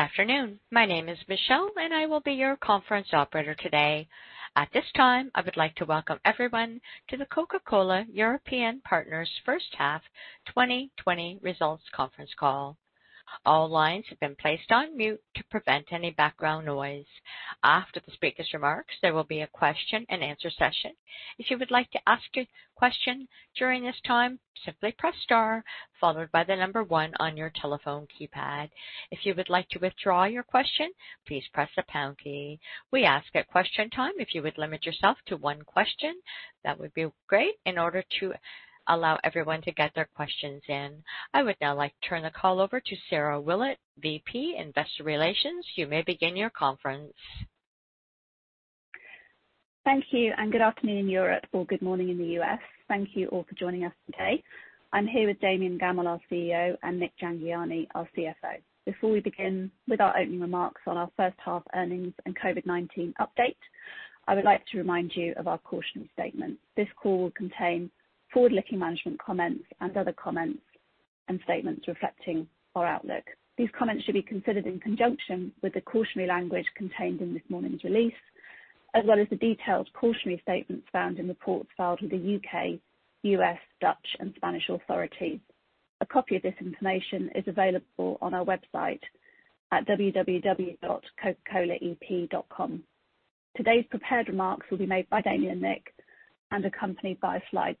Good afternoon. My name is Michelle, and I will be your conference operator today. At this time, I would like to welcome everyone to the Coca-Cola European Partners First Half 2020 Results conference call. All lines have been placed on mute to prevent any background noise. After the speaker's remarks, there will be a question and answer session. If you would like to ask a question during this time, simply press star followed by the number one on your telephone keypad. If you would like to withdraw your question, please press the pound key. We ask at question time, if you would limit yourself to one question, that would be great, in order to allow everyone to get their questions in. I would now like to turn the call over to Sarah Willett, VP Investor Relations. You may begin your conference. Thank you, and good afternoon in Europe or good morning in the U.S. Thank you all for joining us today. I'm here with Damian Gammell, our CEO, and Nik Jhangiani, our CFO. Before we begin with our opening remarks on our first half earnings and COVID-19 update, I would like to remind you of our caution statement. This call will contain forward-looking management comments and other comments and statements reflecting our outlook. These comments should be considered in conjunction with the cautionary language contained in this morning's release, as well as the detailed cautionary statements found in the reports filed with the U.K., U.S., Dutch, and Spanish authorities. A copy of this information is available on our website at www.cocacolaep.com. Today's prepared remarks will be made by Damian and Nik and accompanied by a slide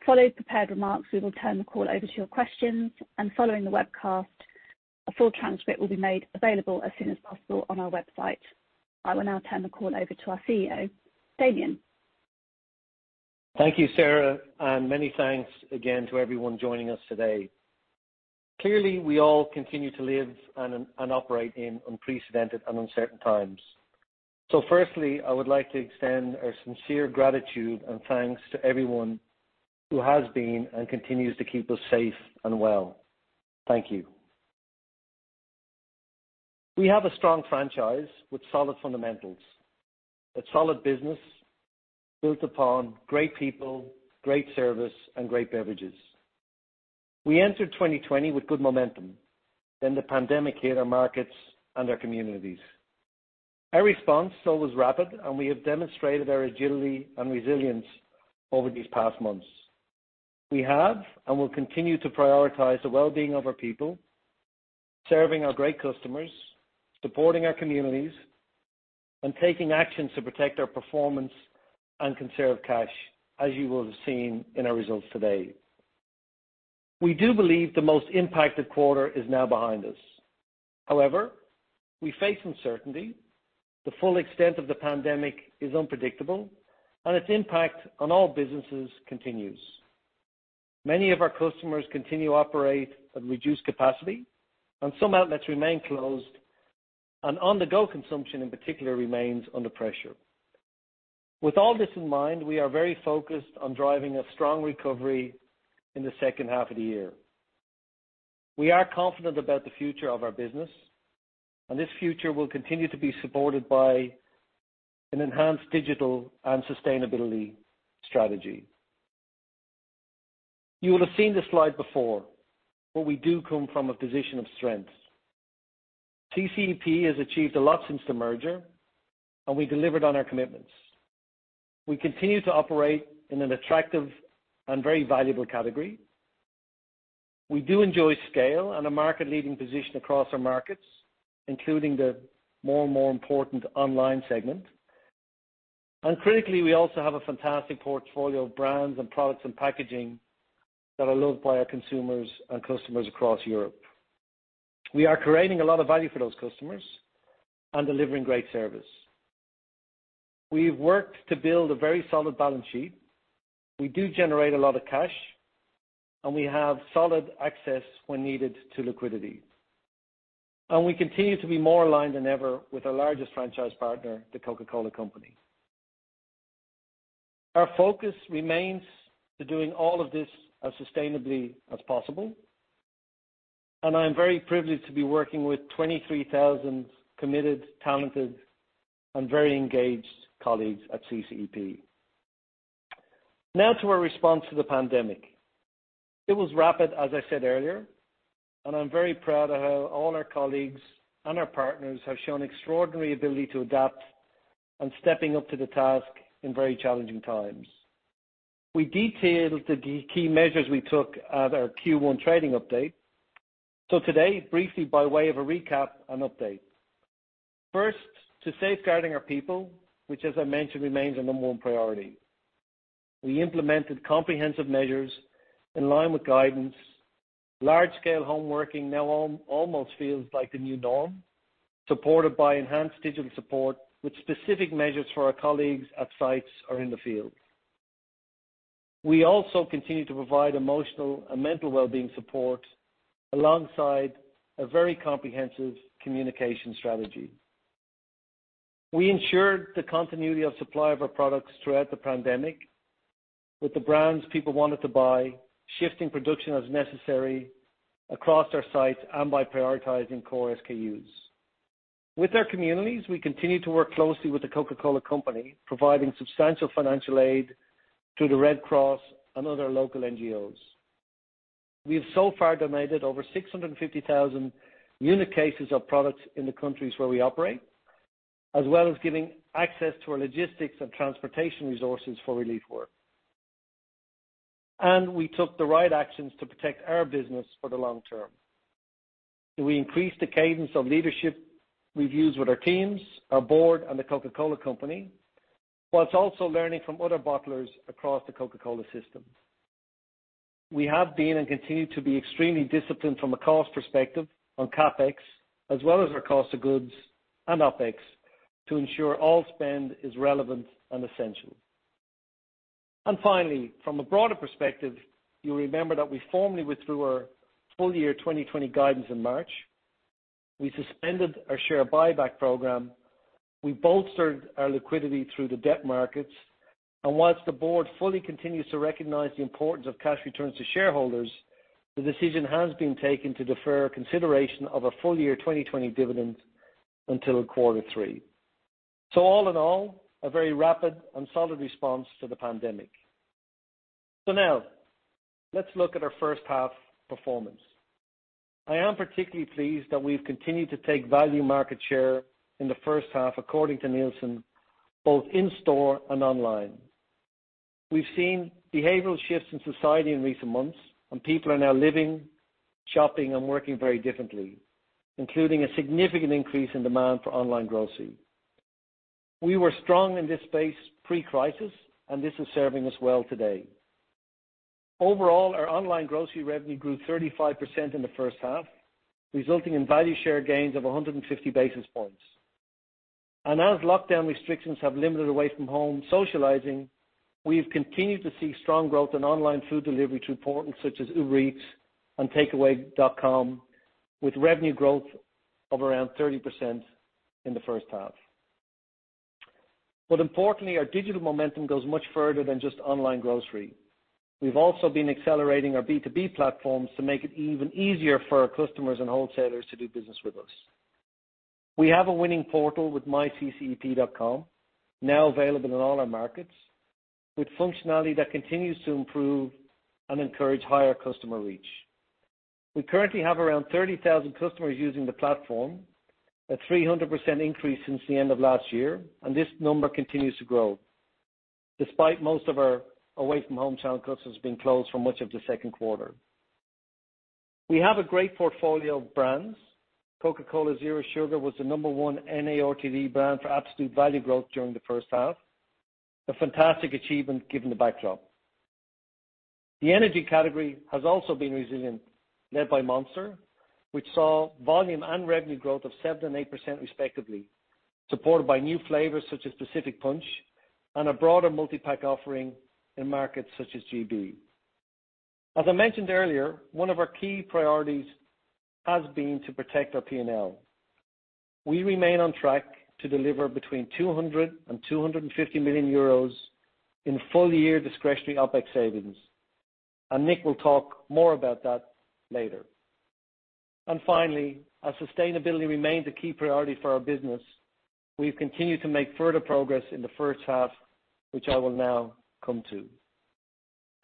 deck. Following the prepared remarks, we will turn the call over to your questions, and following the webcast, a full transcript will be made available as soon as possible on our website. I will now turn the call over to our CEO, Damian. Thank you, Sarah, and many thanks again to everyone joining us today. Clearly, we all continue to live and operate in unprecedented and uncertain times. So firstly, I would like to extend our sincere gratitude and thanks to everyone who has been and continues to keep us safe and well. Thank you. We have a strong franchise with solid fundamentals, a solid business built upon great people, great service, and great beverages. We entered 2020 with good momentum, then the pandemic hit our markets and our communities. Our response, though, was rapid, and we have demonstrated our agility and resilience over these past months. We have, and will continue to prioritize the well-being of our people, serving our great customers, supporting our communities, and taking actions to protect our performance and conserve cash, as you will have seen in our results today. We do believe the most impacted quarter is now behind us. However, we face uncertainty. The full extent of the pandemic is unpredictable, and its impact on all businesses continues. Many of our customers continue to operate at reduced capacity, and some outlets remain closed, and on-the-go consumption, in particular, remains under pressure. With all this in mind, we are very focused on driving a strong recovery in the second half of the year. We are confident about the future of our business, and this future will continue to be supported by an enhanced digital and sustainability strategy. You will have seen this slide before, but we do come from a position of strength. CCEP has achieved a lot since the merger, and we delivered on our commitments. We continue to operate in an attractive and very valuable category. We do enjoy scale and a market-leading position across our markets, including the more and more important online segment. And critically, we also have a fantastic portfolio of brands and products and packaging that are loved by our consumers and customers across Europe. We are creating a lot of value for those customers and delivering great service. We've worked to build a very solid balance sheet. We do generate a lot of cash, and we have solid access when needed to liquidity, and we continue to be more aligned than ever with our largest franchise partner, The Coca-Cola Company. Our focus remains to doing all of this as sustainably as possible, and I'm very privileged to be working with 23,000 committed, talented, and very engaged colleagues at CCEP. Now to our response to the pandemic. It was rapid, as I said earlier, and I'm very proud of how all our colleagues and our partners have shown extraordinary ability to adapt and stepping up to the task in very challenging times. We detailed the key measures we took at our Q1 trading update. So today, briefly, by way of a recap and update. First, to safeguarding our people, which, as I mentioned, remains our number one priority. We implemented comprehensive measures in line with guidance. Large-scale home working now almost feels like the new norm, supported by enhanced digital support, with specific measures for our colleagues at sites or in the field. We also continue to provide emotional and mental well-being support alongside a very comprehensive communication strategy. We ensured the continuity of supply of our products throughout the pandemic with the brands people wanted to buy, shifting production as necessary across our sites and by prioritizing core SKUs. With our communities, we continue to work closely with the Coca-Cola Company, providing substantial financial aid to the Red Cross and other local NGOs. We have so far donated over 650,000 unit cases of products in the countries where we operate, as well as giving access to our logistics and transportation resources for relief work, and we took the right actions to protect our business for the long term. We increased the cadence of leadership reviews with our teams, our board, and the Coca-Cola Company, while also learning from other bottlers across the Coca-Cola system. We have been, and continue to be, extremely disciplined from a cost perspective on CapEx, as well as our cost of goods and OpEx, to ensure all spend is relevant and essential. And finally, from a broader perspective, you'll remember that we formally withdrew our full year 2020 guidance in March. We suspended our share buyback program. We bolstered our liquidity through the debt markets, and while the board fully continues to recognize the importance of cash returns to shareholders, the decision has been taken to defer consideration of a full year 2020 dividend until quarter three. So all in all, a very rapid and solid response to the pandemic. So now, let's look at our first half performance. I am particularly pleased that we've continued to take value market share in the first half, according to Nielsen, both in-store and online. We've seen behavioral shifts in society in recent months, and people are now living, shopping, and working very differently, including a significant increase in demand for online grocery. We were strong in this space pre-crisis, and this is serving us well today. Overall, our online grocery revenue grew 35% in the first half, resulting in value share gains of 150 basis points, and as lockdown restrictions have limited away-from-home socializing, we have continued to see strong growth in online food delivery through portals such as Uber Eats and Takeaway.com, with revenue growth of around 30% in the first half, but importantly, our digital momentum goes much further than just online grocery. We've also been accelerating our B2B platforms to make it even easier for our customers and wholesalers to do business with us. We have a winning portal with myccep.com, now available in all our markets, with functionality that continues to improve and encourage higher customer reach. We currently have around 30,000 customers using the platform, a 300% increase since the end of last year, and this number continues to grow, despite most of our away-from-home channel customers being closed for much of the second quarter. We have a great portfolio of brands. Coca-Cola Zero Sugar was the number one NA RTD brand for absolute value growth during the first half, a fantastic achievement given the backdrop. The energy category has also been resilient, led by Monster, which saw volume and revenue growth of 7% and 8%, respectively, supported by new flavors such as Pacific Punch and a broader multi-pack offering in markets such as GB. As I mentioned earlier, one of our key priorities has been to protect our P&L. We remain on track to deliver between 200 million euros and 250 million euros in full-year discretionary OpEx savings, and Nik will talk more about that later, and finally, as sustainability remains a key priority for our business, we've continued to make further progress in the first half, which I will now come to.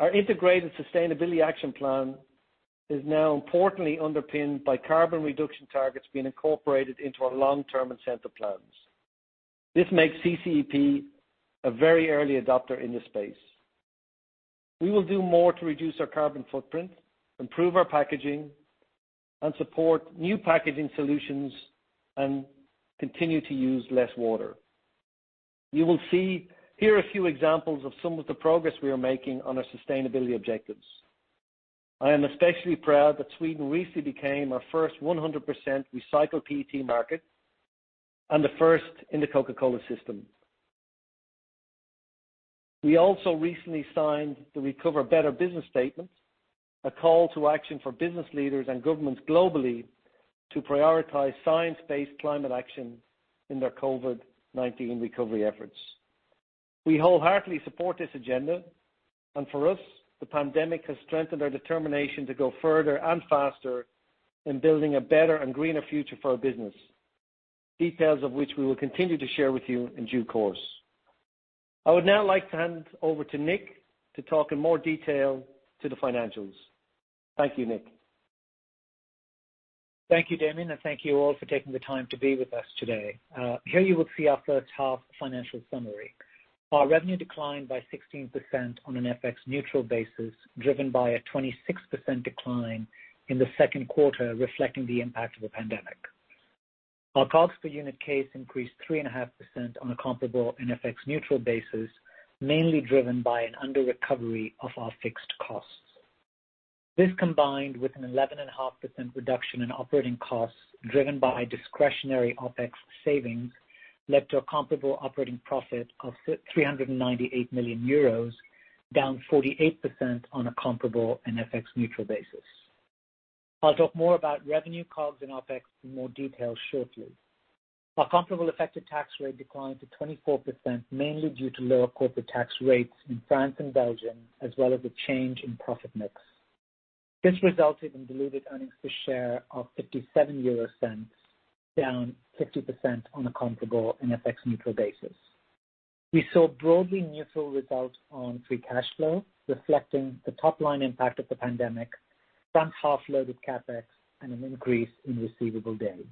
Our integrated sustainability action plan is now importantly underpinned by carbon reduction targets being incorporated into our long-term incentive plans. This makes CCEP a very early adopter in this space. We will do more to reduce our carbon footprint, improve our packaging, and support new packaging solutions, and continue to use less water. You will see here a few examples of some of the progress we are making on our sustainability objectives. I am especially proud that Sweden recently became our first 100% recycled PET market, and the first in the Coca-Cola system. We also recently signed the Recover Better business statement, a call to action for business leaders and governments globally to prioritize science-based climate action in their COVID-19 recovery efforts. We wholeheartedly support this agenda, and for us, the pandemic has strengthened our determination to go further and faster in building a better and greener future for our business, details of which we will continue to share with you in due course. I would now like to hand over to Nik to talk in more detail to the financials. Thank you, Nik. Thank you, Damian, and thank you all for taking the time to be with us today. Here you will see our first half financial summary. Our revenue declined by 16% on an FX neutral basis, driven by a 26% decline in the second quarter, reflecting the impact of the pandemic. Our COGS per unit case increased 3.5% on a comparable and FX neutral basis, mainly driven by an under recovery of our fixed costs. This, combined with an 11.5% reduction in operating costs, driven by discretionary OpEx savings, led to a comparable operating profit of 398 million euros, down 48% on a comparable and FX neutral basis. I'll talk more about revenue, COGS, and OpEx in more detail shortly. Our comparable effective tax rate declined to 24%, mainly due to lower corporate tax rates in France and Belgium, as well as a change in profit mix. This resulted in diluted earnings per share of 0.57, down 50% on a comparable and FX neutral basis. We saw broadly neutral results on free cash flow, reflecting the top line impact of the pandemic, front-half loaded CapEx, and an increase in receivable days.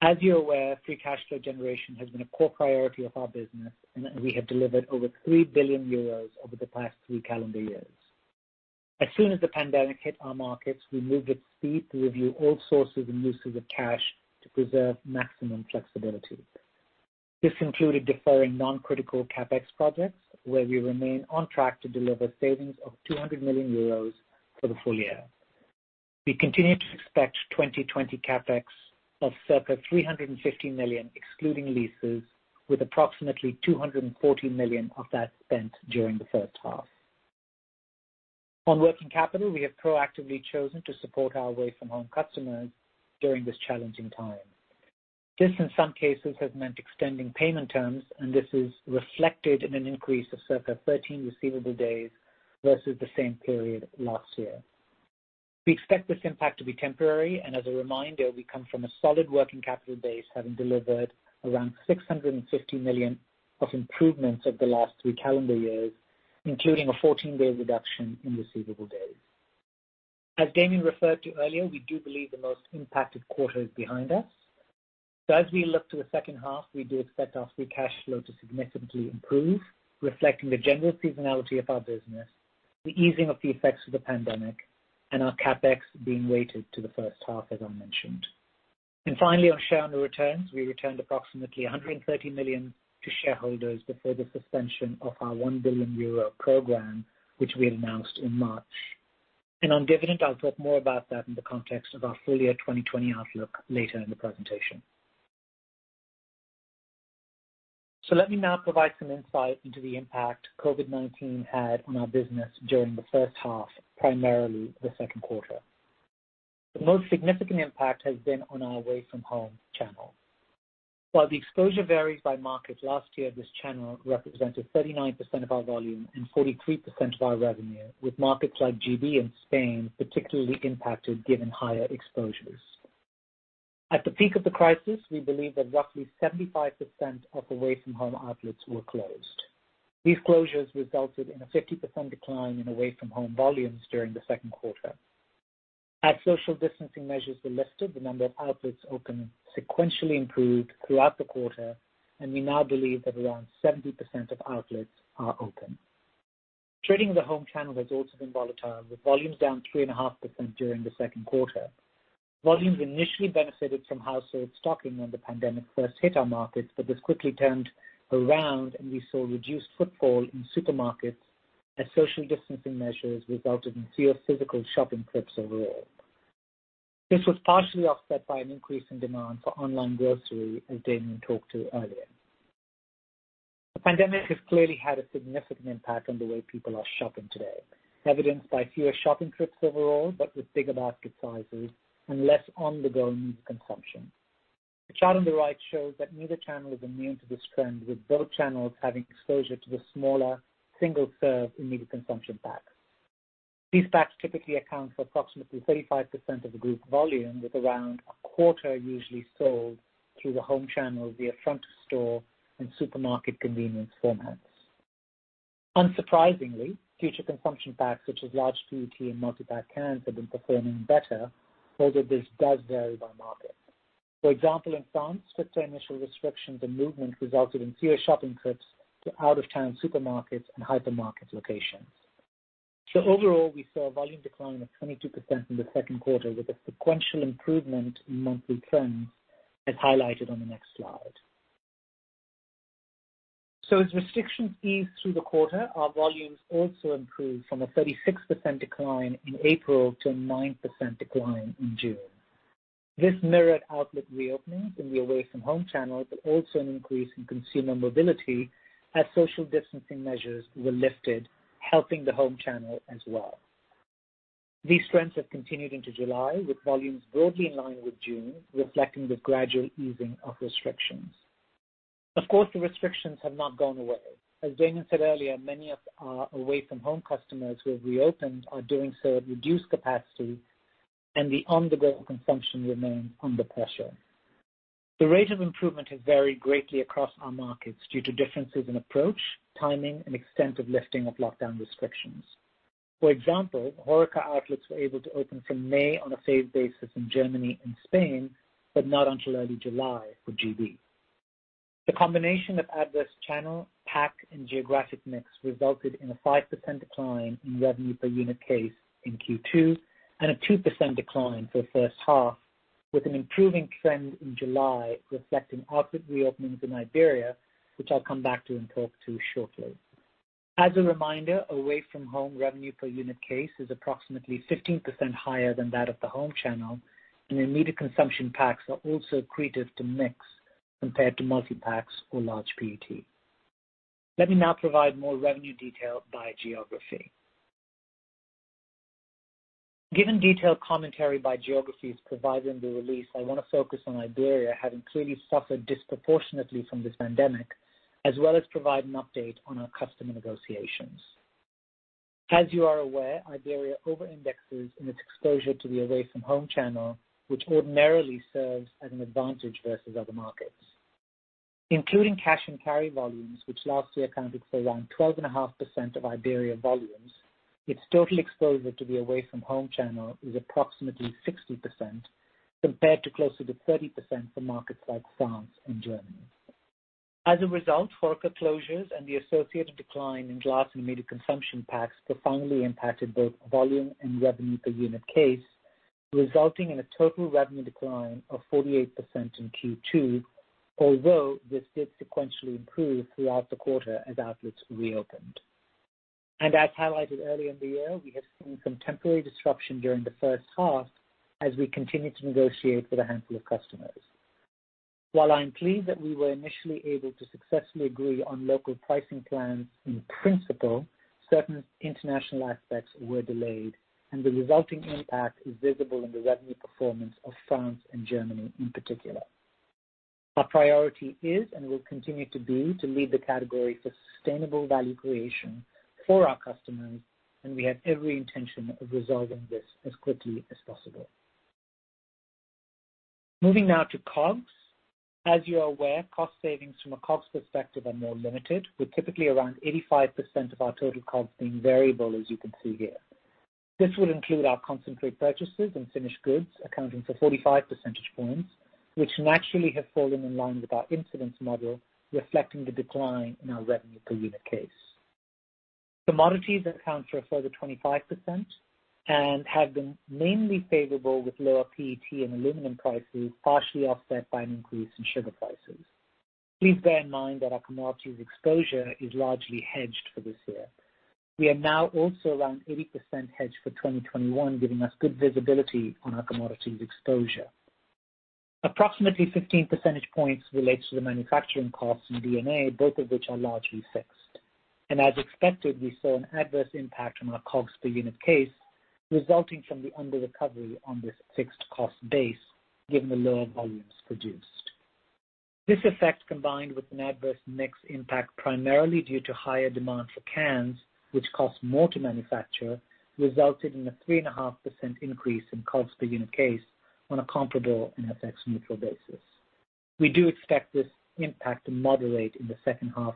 As you're aware, free cash flow generation has been a core priority of our business, and we have delivered over 3 billion euros over the past three calendar years. As soon as the pandemic hit our markets, we moved with speed to review all sources and uses of cash to preserve maximum flexibility. This included deferring non-critical CapEx projects, where we remain on track to deliver savings of 200 million euros for the full year. We continue to expect 2020 CapEx of circa 350 million, excluding leases, with approximately 240 million of that spent during the first half. On working capital, we have proactively chosen to support our away-from-home customers during this challenging time. This, in some cases, has meant extending payment terms, and this is reflected in an increase of circa 13 receivable days versus the same period last year. We expect this impact to be temporary, and as a reminder, we come from a solid working capital base, having delivered around 650 million of improvements over the last three calendar years, including a 14-day reduction in receivable days. As Damian referred to earlier, we do believe the most impacted quarter is behind us, so as we look to the second half, we do expect our free cash flow to significantly improve, reflecting the general seasonality of our business, the easing of the effects of the pandemic, and our CapEx being weighted to the first half, as I mentioned, and finally, on shareholder returns, we returned approximately 130 million to shareholders before the suspension of our 1 billion euro program, which we announced in March, and on dividend, I'll talk more about that in the context of our full-year 2020 outlook later in the presentation, so let me now provide some insight into the impact COVID-19 had on our business during the first half, primarily the second quarter. The most significant impact has been on our away-from-home channel. While the exposure varies by market, last year, this channel represented 39% of our volume and 43% of our revenue, with markets like GB and Spain particularly impacted, given higher exposures. At the peak of the crisis, we believe that roughly 75% of away-from-home outlets were closed. These closures resulted in a 50% decline in away-from-home volumes during the second quarter. As social distancing measures were lifted, the number of outlets open sequentially improved throughout the quarter, and we now believe that around 70% of outlets are open. Trading in the home channel has also been volatile, with volumes down 3.5% during the second quarter. Volumes initially benefited from household stocking when the pandemic first hit our markets, but this quickly turned around, and we saw reduced footfall in supermarkets as social distancing measures resulted in fewer physical shopping trips overall. This was partially offset by an increase in demand for online grocery, as Damian talked to earlier. The pandemic has clearly had a significant impact on the way people are shopping today, evidenced by fewer shopping trips overall, but with bigger basket sizes and less on-the-go immediate consumption. The chart on the right shows that neither channel is immune to this trend, with both channels having exposure to the smaller, single-serve immediate consumption packs. These packs typically account for approximately 35% of the group volume, with around a quarter usually sold through the home channel via front of store and supermarket convenience formats. Unsurprisingly, future consumption packs, such as large PET and multipack cans, have been performing better, although this does vary by market. For example, in France, stricter initial restrictions and movement resulted in fewer shopping trips to out-of-town supermarkets and hypermarket locations. So overall, we saw a volume decline of 22% in the second quarter, with a sequential improvement in monthly trends, as highlighted on the next slide. So as restrictions eased through the quarter, our volumes also improved from a 36% decline in April to a 9% decline in June. This mirrored outlet reopenings in the away-from-home channel, but also an increase in consumer mobility as social distancing measures were lifted, helping the home channel as well. These trends have continued into July, with volumes broadly in line with June, reflecting the gradual easing of restrictions. Of course, the restrictions have not gone away. As Damian said earlier, many of our away-from-home customers who have reopened are doing so at reduced capacity, and the on-the-go consumption remains under pressure. The rate of improvement has varied greatly across our markets due to differences in approach, timing, and extent of lifting of lockdown restrictions. For example, HoReCa outlets were able to open from May on a phased basis in Germany and Spain, but not until early July for GB. The combination of adverse channel, pack, and geographic mix resulted in a 5% decline in revenue per unit case in Q2 and a 2% decline for first half, with an improving trend in July, reflecting outlet reopenings in Iberia, which I'll come back to and talk to shortly. As a reminder, away-from-home revenue per unit case is approximately 15% higher than that of the home channel, and immediate consumption packs are also accretive to mix compared to multipacks or large PET. Let me now provide more revenue detail by geography. Given detailed commentary by geography is provided in the release, I want to focus on Iberia, having clearly suffered disproportionately from this pandemic, as well as provide an update on our customer negotiations. As you are aware, Iberia over-indexes in its exposure to the away-from-home channel, which ordinarily serves as an advantage versus other markets. Including cash and carry volumes, which lastly accounted for around 12.5% of Iberia volumes, its total exposure to the away-from-home channel is approximately 60%, compared to closer to 30% for markets like France and Germany. As a result, outlet closures and the associated decline in glass and immediate consumption packs profoundly impacted both volume and revenue per unit case, resulting in a total revenue decline of 48% in Q2, although this did sequentially improve throughout the quarter as outlets reopened. As highlighted earlier in the year, we have seen some temporary disruption during the first half as we continue to negotiate with a handful of customers. While I am pleased that we were initially able to successfully agree on local pricing plans in principle, certain international aspects were delayed, and the resulting impact is visible in the revenue performance of France and Germany in particular. Our priority is, and will continue to be, to lead the category for sustainable value creation for our customers, and we have every intention of resolving this as quickly as possible. Moving now to COGS. As you are aware, cost savings from a COGS perspective are more limited, with typically around 85% of our total COGS being variable, as you can see here. This would include our concentrate purchases and finished goods, accounting for 45 percentage points, which naturally have fallen in line with our incidence model, reflecting the decline in our revenue per unit case. Commodities account for a further 25% and have been mainly favorable, with lower PET and aluminum prices, partially offset by an increase in sugar prices. Please bear in mind that our commodities exposure is largely hedged for this year. We are now also around 80% hedged for 2021, giving us good visibility on our commodities exposure. Approximately 15 percentage points relates to the manufacturing costs in D&A, both of which are largely fixed. And as expected, we saw an adverse impact on our COGS per unit case, resulting from the underrecovery on this fixed cost base, given the lower volumes produced. This effect, combined with an adverse mix impact, primarily due to higher demand for cans, which cost more to manufacture, resulted in a 3.5% increase in COGS per unit case on a comparable and FX-neutral basis. We do expect this impact to moderate in the second half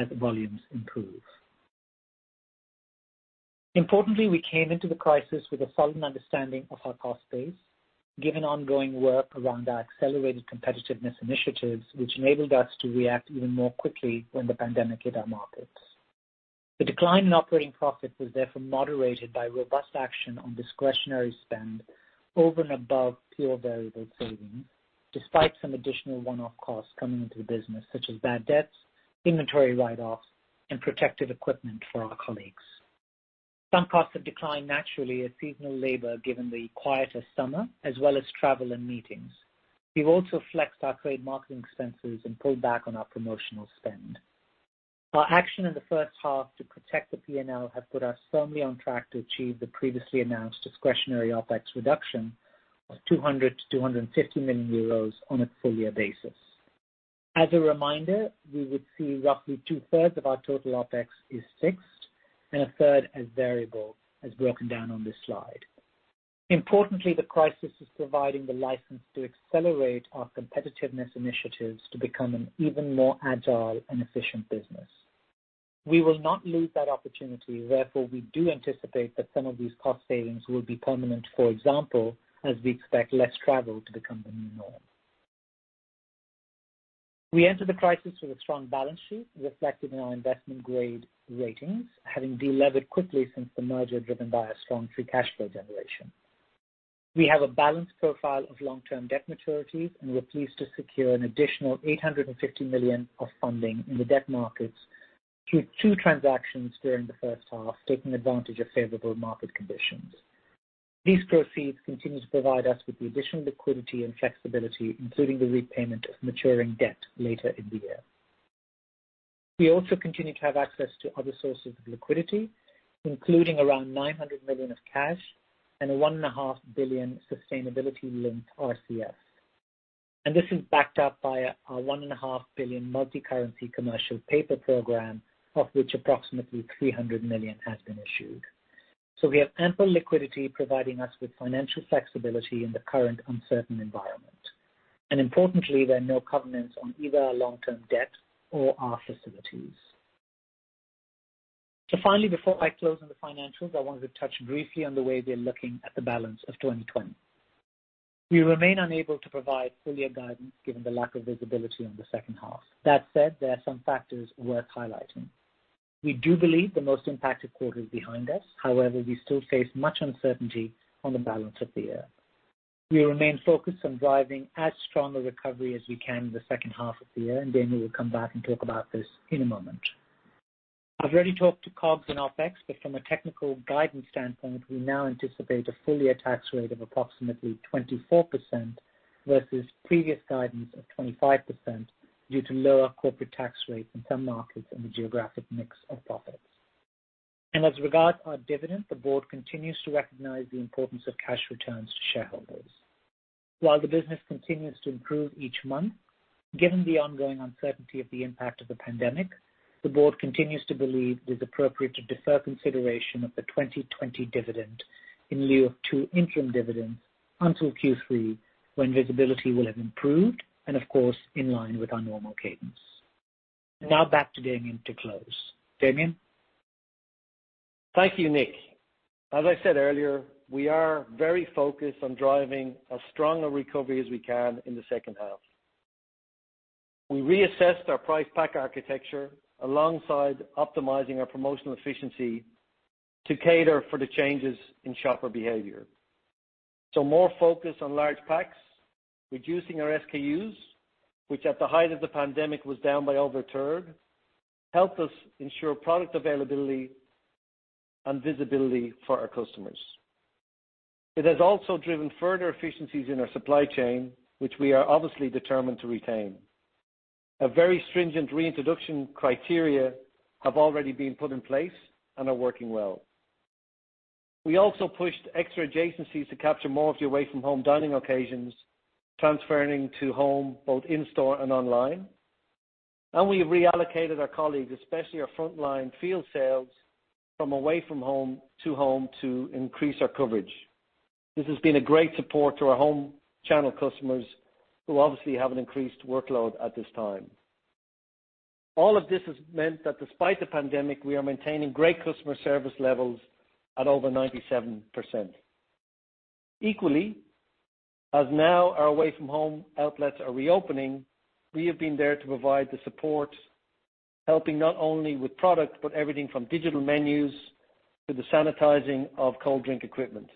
as volumes improve. Importantly, we came into the crisis with a solid understanding of our cost base, given ongoing work around our accelerated competitiveness initiatives, which enabled us to react even more quickly when the pandemic hit our markets. The decline in operating profit was therefore moderated by robust action on discretionary spend over and above pure variable savings, despite some additional one-off costs coming into the business, such as bad debts, inventory write-offs, and protective equipment for our colleagues. Some costs have declined naturally at seasonal labor, given the quieter summer, as well as travel and meetings. We've also flexed our trade marketing expenses and pulled back on our promotional spend. Our action in the first half to protect the P&L have put us firmly on track to achieve the previously announced discretionary OpEx reduction of 200 million-250 million euros on a full-year basis. As a reminder, we would see roughly two-thirds of our total OpEx is fixed and a third as variable, as broken down on this slide. Importantly, the crisis is providing the license to accelerate our competitiveness initiatives to become an even more agile and efficient business. We will not lose that opportunity. Therefore, we do anticipate that some of these cost savings will be permanent, for example, as we expect less travel to become the new norm. We entered the crisis with a strong balance sheet, reflected in our investment-grade ratings, having delevered quickly since the merger, driven by a strong free cash flow generation. We have a balanced profile of long-term debt maturities, and we're pleased to secure an additional 850 million of funding in the debt markets through two transactions during the first half, taking advantage of favorable market conditions. These proceeds continue to provide us with the additional liquidity and flexibility, including the repayment of maturing debt later in the year. We also continue to have access to other sources of liquidity, including around 900 million of cash and a 1.5 billion sustainability-linked RCF. And this is backed up by our 1.5 billion multicurrency commercial paper program, of which approximately 300 million has been issued. We have ample liquidity, providing us with financial flexibility in the current uncertain environment. And importantly, there are no covenants on either our long-term debt or our facilities. Finally, before I close on the financials, I wanted to touch briefly on the way we're looking at the balance of 2020. We remain unable to provide full year guidance, given the lack of visibility on the second half. That said, there are some factors worth highlighting. We do believe the most impacted quarter is behind us. However, we still face much uncertainty on the balance of the year. We remain focused on driving as strong a recovery as we can in the second half of the year, and Damian will come back and talk about this in a moment. I've already talked to COGS and OpEx, but from a technical guidance standpoint, we now anticipate a full-year tax rate of approximately 24% versus previous guidance of 25% due to lower corporate tax rates in some markets and the geographic mix of profits. As regards our dividend, the board continues to recognize the importance of cash returns to shareholders. While the business continues to improve each month, given the ongoing uncertainty of the impact of the pandemic, the board continues to believe it is appropriate to defer consideration of the 2020 dividend in lieu of two interim dividends until Q3, when visibility will have improved and of course, in line with our normal cadence. Now back to Damian to close. Damian? Thank you, Nik. As I said earlier, we are very focused on driving as strong a recovery as we can in the second half. We reassessed our price pack architecture alongside optimizing our promotional efficiency to cater for the changes in shopper behavior, so more focus on large packs, reducing our SKUs, which at the height of the pandemic was down by over a third, helped us ensure product availability and visibility for our customers. It has also driven further efficiencies in our supply chain, which we are obviously determined to retain. A very stringent reintroduction criteria have already been put in place and are working well. We also pushed extra adjacencies to capture more of the away-from-home dining occasions, transferring to home, both in store and online, and we reallocated our colleagues, especially our frontline field sales, from away from home to home to increase our coverage. This has been a great support to our home channel customers, who obviously have an increased workload at this time. All of this has meant that despite the pandemic, we are maintaining great customer service levels at over 97%. Equally, as now our away-from-home outlets are reopening, we have been there to provide the support, helping not only with product, but everything from digital menus to the sanitizing of cold drink equipment.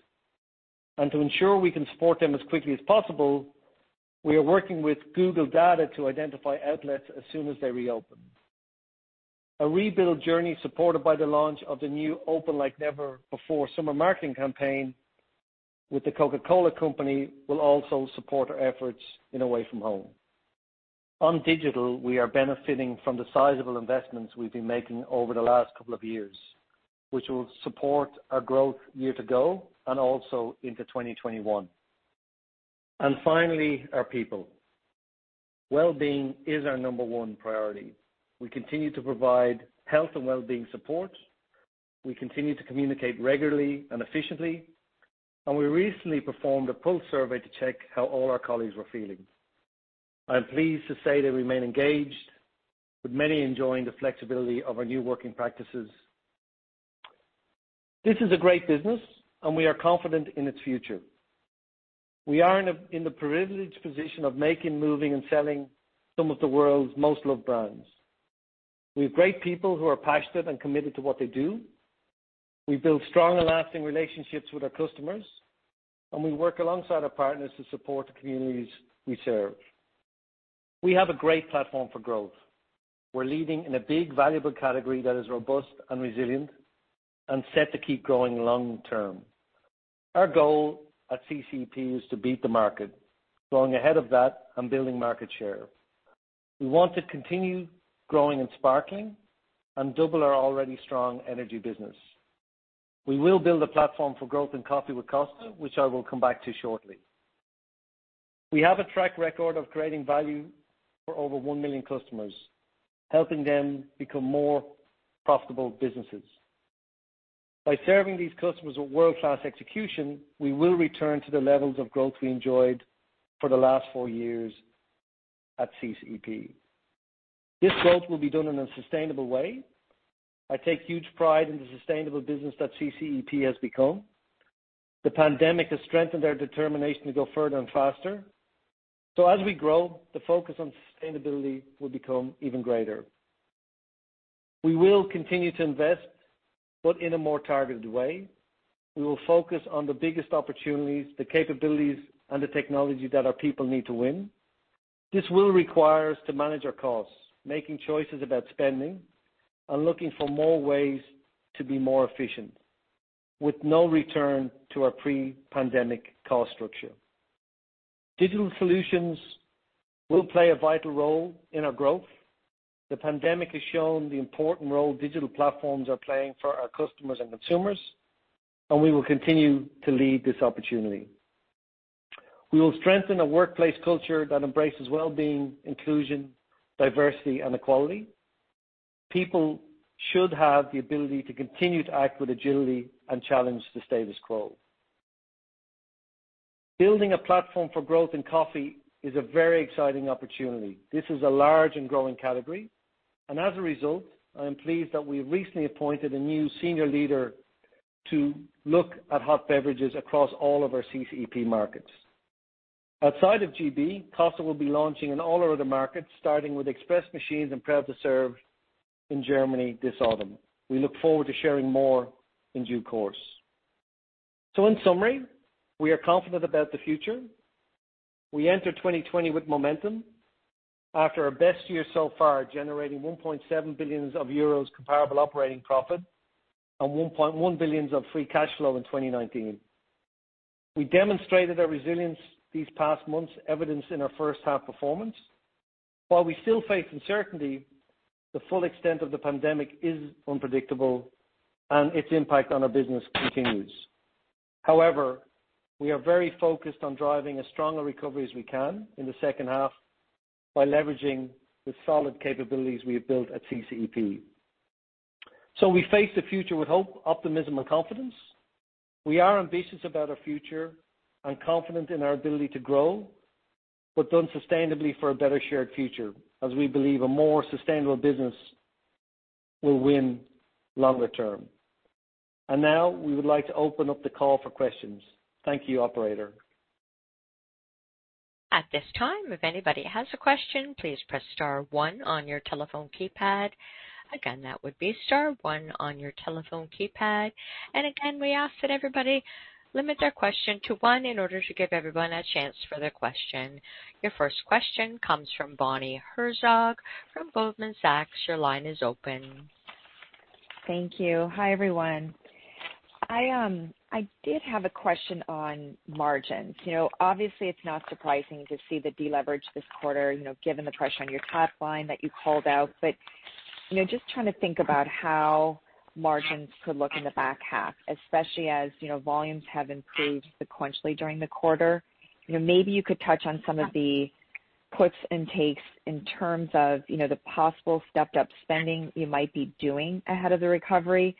And to ensure we can support them as quickly as possible, we are working with Google data to identify outlets as soon as they reopen. A rebuild journey supported by the launch of the new Open Like Never Before summer marketing campaign with The Coca-Cola Company, will also support our efforts in away from home. On digital, we are benefiting from the sizable investments we've been making over the last couple of years, which will support our growth year to go and also into 2021. And finally, our people. Wellbeing is our number one priority. We continue to provide health and wellbeing support. We continue to communicate regularly and efficiently, and we recently performed a pulse survey to check how all our colleagues were feeling. I am pleased to say they remain engaged, with many enjoying the flexibility of our new working practices. This is a great business, and we are confident in its future. We are in the privileged position of making, moving, and selling some of the world's most loved brands. We have great people who are passionate and committed to what they do. We build strong and lasting relationships with our customers, and we work alongside our partners to support the communities we serve. We have a great platform for growth. We're leading in a big, valuable category that is robust and resilient and set to keep growing long term. Our goal at CCEP is to beat the market, growing ahead of that and building market share. We want to continue growing and sparkling and double our already strong energy business. We will build a platform for growth in coffee with Costa, which I will come back to shortly. We have a track record of creating value for over one million customers, helping them become more profitable businesses. By serving these customers with world-class execution, we will return to the levels of growth we enjoyed for the last four years at CCEP. This growth will be done in a sustainable way. I take huge pride in the sustainable business that CCEP has become. The pandemic has strengthened our determination to go further and faster. So as we grow, the focus on sustainability will become even greater. We will continue to invest, but in a more targeted way. We will focus on the biggest opportunities, the capabilities, and the technology that our people need to win. This will require us to manage our costs, making choices about spending and looking for more ways to be more efficient, with no return to our pre-pandemic cost structure. Digital solutions will play a vital role in our growth. The pandemic has shown the important role digital platforms are playing for our customers and consumers, and we will continue to lead this opportunity. We will strengthen a workplace culture that embraces wellbeing, inclusion, diversity, and equality. People should have the ability to continue to act with agility and challenge the status quo. Building a platform for growth in coffee is a very exciting opportunity. This is a large and growing category, and as a result, I am pleased that we recently appointed a new senior leader to look at hot beverages across all of our CCEP markets. Outside of GB, Costa will be launching in all our other markets, starting with Express machines and Proud to Serve in Germany this autumn. We look forward to sharing more in due course. So in summary, we are confident about the future. We entered 2020 with momentum after our best year so far, generating 1.7 billion euros comparable operating profit and 1.1 billion free cash flow in 2019. We demonstrated our resilience these past months, evidenced in our first half performance. While we still face uncertainty, the full extent of the pandemic is unpredictable, and its impact on our business continues. However, we are very focused on driving as strong a recovery as we can in the second half by leveraging the solid capabilities we have built at CCEP. So we face the future with hope, optimism, and confidence. We are ambitious about our future and confident in our ability to grow, but done sustainably for a better shared future, as we believe a more sustainable business will win longer term. And now, we would like to open up the call for questions. Thank you, operator. At this time, if anybody has a question, please press star one on your telephone keypad. Again, that would be star one on your telephone keypad. And again, we ask that everybody limit their question to one in order to give everyone a chance for their question. Your first question comes from Bonnie Herzog from Goldman Sachs. Your line is open. Thank you. Hi, everyone. I did have a question on margins. You know, obviously, it's not surprising to see the deleverage this quarter, you know, given the pressure on your top line that you called out. But, you know, just trying to think about how margins could look in the back half, especially as, you know, volumes have improved sequentially during the quarter. You know, maybe you could touch on some of the puts and takes in terms of, you know, the possible stepped up spending you might be doing ahead of the recovery.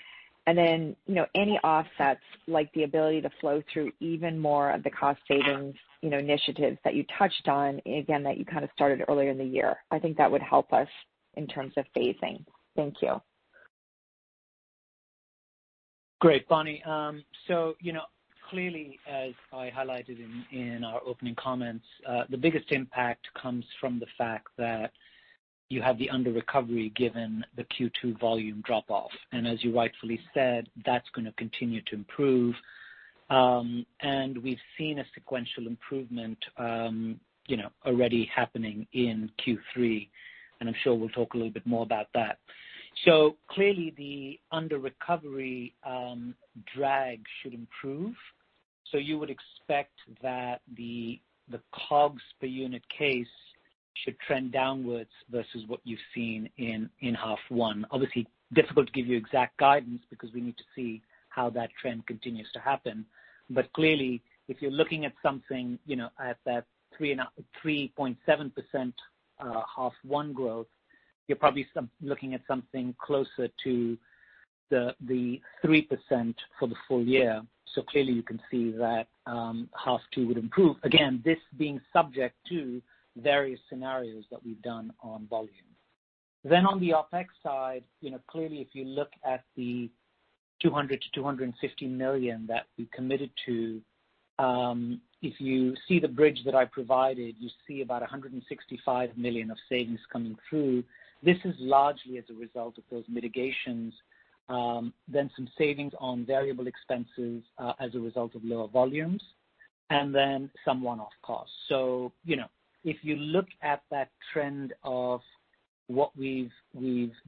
And then, you know, any offsets, like the ability to flow through even more of the cost savings, you know, initiatives that you touched on, again, that you kind of started earlier in the year. I think that would help us in terms of phasing. Thank you. Great, Bonnie. So, you know, clearly, as I highlighted in our opening comments, the biggest impact comes from the fact that you have the underrecovery, given the Q2 volume drop-off. And as you rightfully said, that's gonna continue to improve. And we've seen a sequential improvement, you know, already happening in Q3, and I'm sure we'll talk a little bit more about that. So clearly, the underrecovery drag should improve. So you would expect that the COGS per unit case should trend downwards versus what you've seen in half one. Obviously, difficult to give you exact guidance because we need to see how that trend continues to happen. But clearly, if you're looking at something, you know, at that 3.7%, half one growth, you're probably looking at something closer to the 3% for the full year. So clearly, you can see that half two would improve. Again, this being subject to various scenarios that we've done on volume. Then on the OpEx side, you know, clearly, if you look at the 200 million-250 million that we committed to, if you see the bridge that I provided, you see about 165 million of savings coming through. This is largely as a result of those mitigations, then some savings on variable expenses, as a result of lower volumes, and then some one-off costs. You know, if you look at that trend of what we've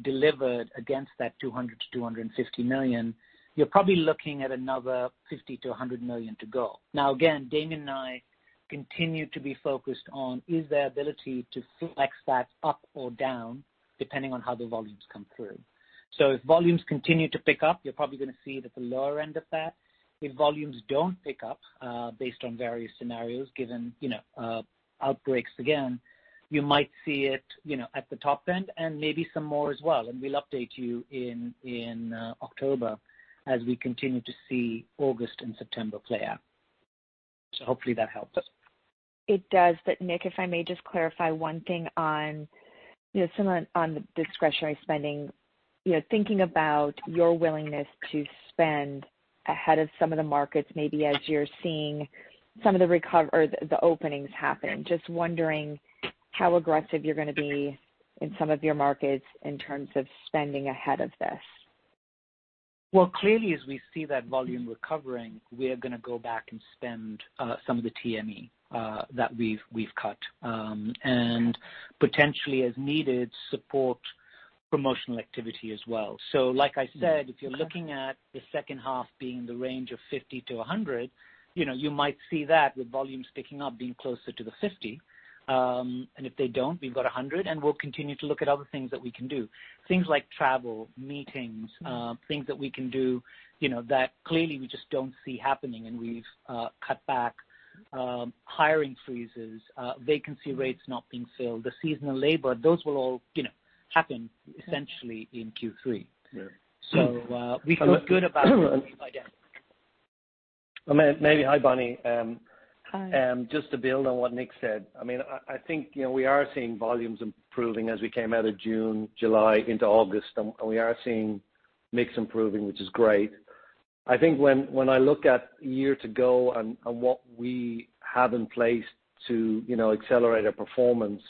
delivered against that 200 million-250 million, you're probably looking at another 50 million-100 million to go. Now, again, Damian and I continue to be focused on, is there ability to flex that up or down, depending on how the volumes come through? If volumes continue to pick up, you're probably gonna see it at the lower end of that. If volumes don't pick up, based on various scenarios, given, you know, outbreaks again, you might see it, you know, at the top end and maybe some more as well, and we'll update you in October as we continue to see August and September play out. So hopefully that helps. It does. But Nik, if I may just clarify one thing on, you know, similar on the discretionary spending. You know, thinking about your willingness to spend ahead of some of the markets, maybe as you're seeing some of the recovery or the openings happen, just wondering how aggressive you're gonna be in some of your markets in terms of spending ahead of this. Clearly, as we see that volume recovering, we are gonna go back and spend some of the TME that we've cut, and potentially, as needed, support promotional activity as well. So like I said, if you're looking at the second half being the range of 50-100, you know, you might see that with volumes picking up, being closer to the 50. And if they don't, we've got 100, and we'll continue to look at other things that we can do. Things like travel, meetings, things that we can do, you know, that clearly we just don't see happening, and we've cut back, hiring freezes, vacancy rates not being filled, the seasonal labor. Those will all, you know, happen essentially in Q3. Yeah. So, we feel good about it. Hi, Bonnie. Hi. Just to build on what Nik said, I mean, I think, you know, we are seeing volumes improving as we came out of June, July into August, and we are seeing mix improving, which is great. I think when I look at year to go and what we have in place to, you know, accelerate our performance,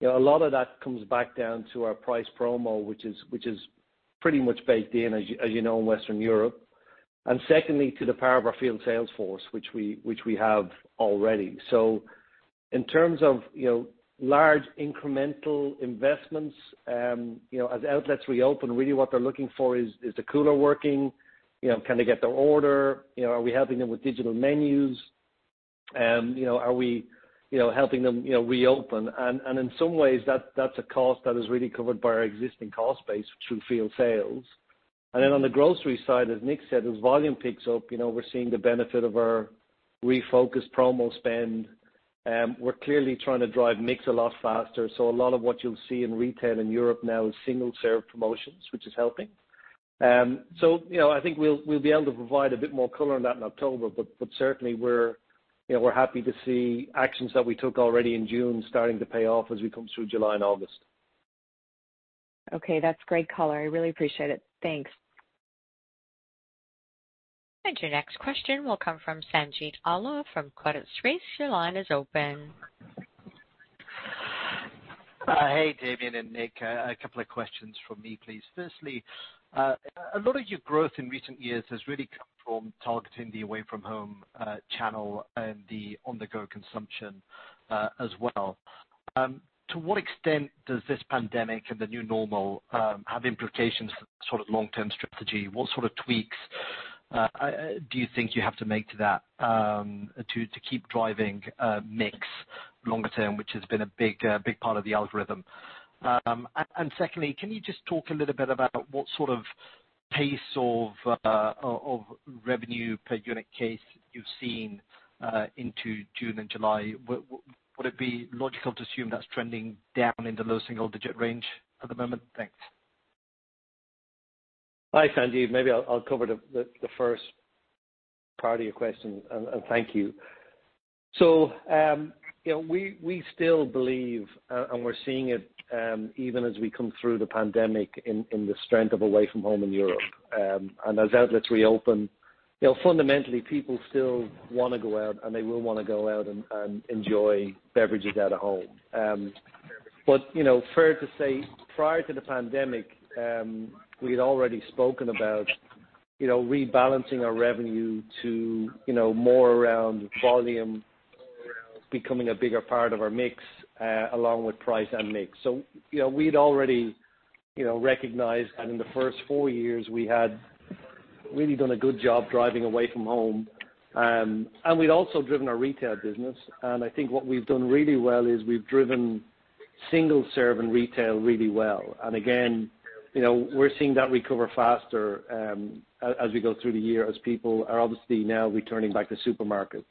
you know, a lot of that comes back down to our price promo, which is pretty much baked in, as you know, in Western Europe. And secondly, to the power of our field sales force, which we have already. In terms of, you know, large incremental investments, you know, as outlets reopen, really what they're looking for is the cooler working? You know, can they get their order? You know, are we helping them with digital menus? You know, are we helping them reopen? And in some ways, that's a cost that is really covered by our existing cost base through field sales. And then on the grocery side, as Nik said, as volume picks up, you know, we're seeing the benefit of our refocused promo spend. We're clearly trying to drive mix a lot faster, so a lot of what you'll see in retail in Europe now is single serve promotions, which is helping. So, you know, I think we'll be able to provide a bit more color on that in October, but certainly we're, you know, we're happy to see actions that we took already in June starting to pay off as we come through July and August. Okay, that's great color. I really appreciate it. Thanks. Your next question will come from Sanjeet Aujla from Credit Suisse. Your line is open. Hey, Damian and Nik. A couple of questions from me, please. Firstly, a lot of your growth in recent years has really come from targeting the away-from-home channel and the on-the-go consumption as well. To what extent does this pandemic and the new normal have implications for sort of long-term strategy? What sort of tweaks do you think you have to make to that, to keep driving mix longer term, which has been a big part of the algorithm? And secondly, can you just talk a little bit about what sort of pace of revenue per unit case you've seen into June and July? Would it be logical to assume that's trending down in the low single digit range at the moment? Thanks. Hi, Sanjeet. Maybe I'll cover the first part of your question, and thank you. So, you know, we still believe, and we're seeing it, even as we come through the pandemic, in the strength of away from home in Europe. And as outlets reopen, you know, fundamentally, people still wanna go out, and they will wanna go out and enjoy beverages out of home. But, you know, fair to say, prior to the pandemic, we'd already spoken about, you know, rebalancing our revenue to, you know, more around volume becoming a bigger part of our mix, along with price and mix. So, you know, we'd already recognized, and in the first four years, we had really done a good job driving away from home. And we'd also driven our retail business, and I think what we've done really well is we've driven single serve and retail really well. And again, you know, we're seeing that recover faster, as we go through the year, as people are obviously now returning back to supermarkets.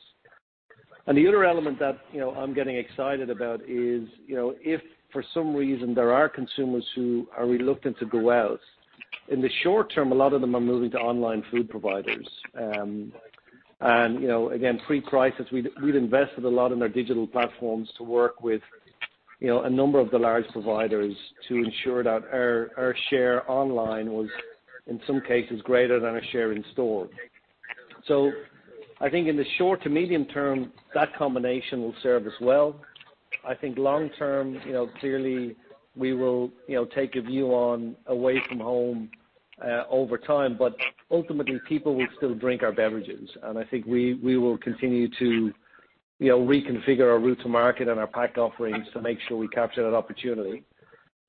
And the other element that, you know, I'm getting excited about is, you know, if for some reason there are consumers who are reluctant to go out, in the short term, a lot of them are moving to online food providers. And, you know, again, pre-crisis, we'd invested a lot in our digital platforms to work with, you know, a number of the large providers to ensure that our share online was, in some cases, greater than our share in store. So I think in the short to medium term, that combination will serve us well. I think long term, you know, clearly we will, you know, take a view on away from home over time, but ultimately, people will still drink our beverages, and I think we will continue to, you know, reconfigure our route to market and our pack offerings to make sure we capture that opportunity.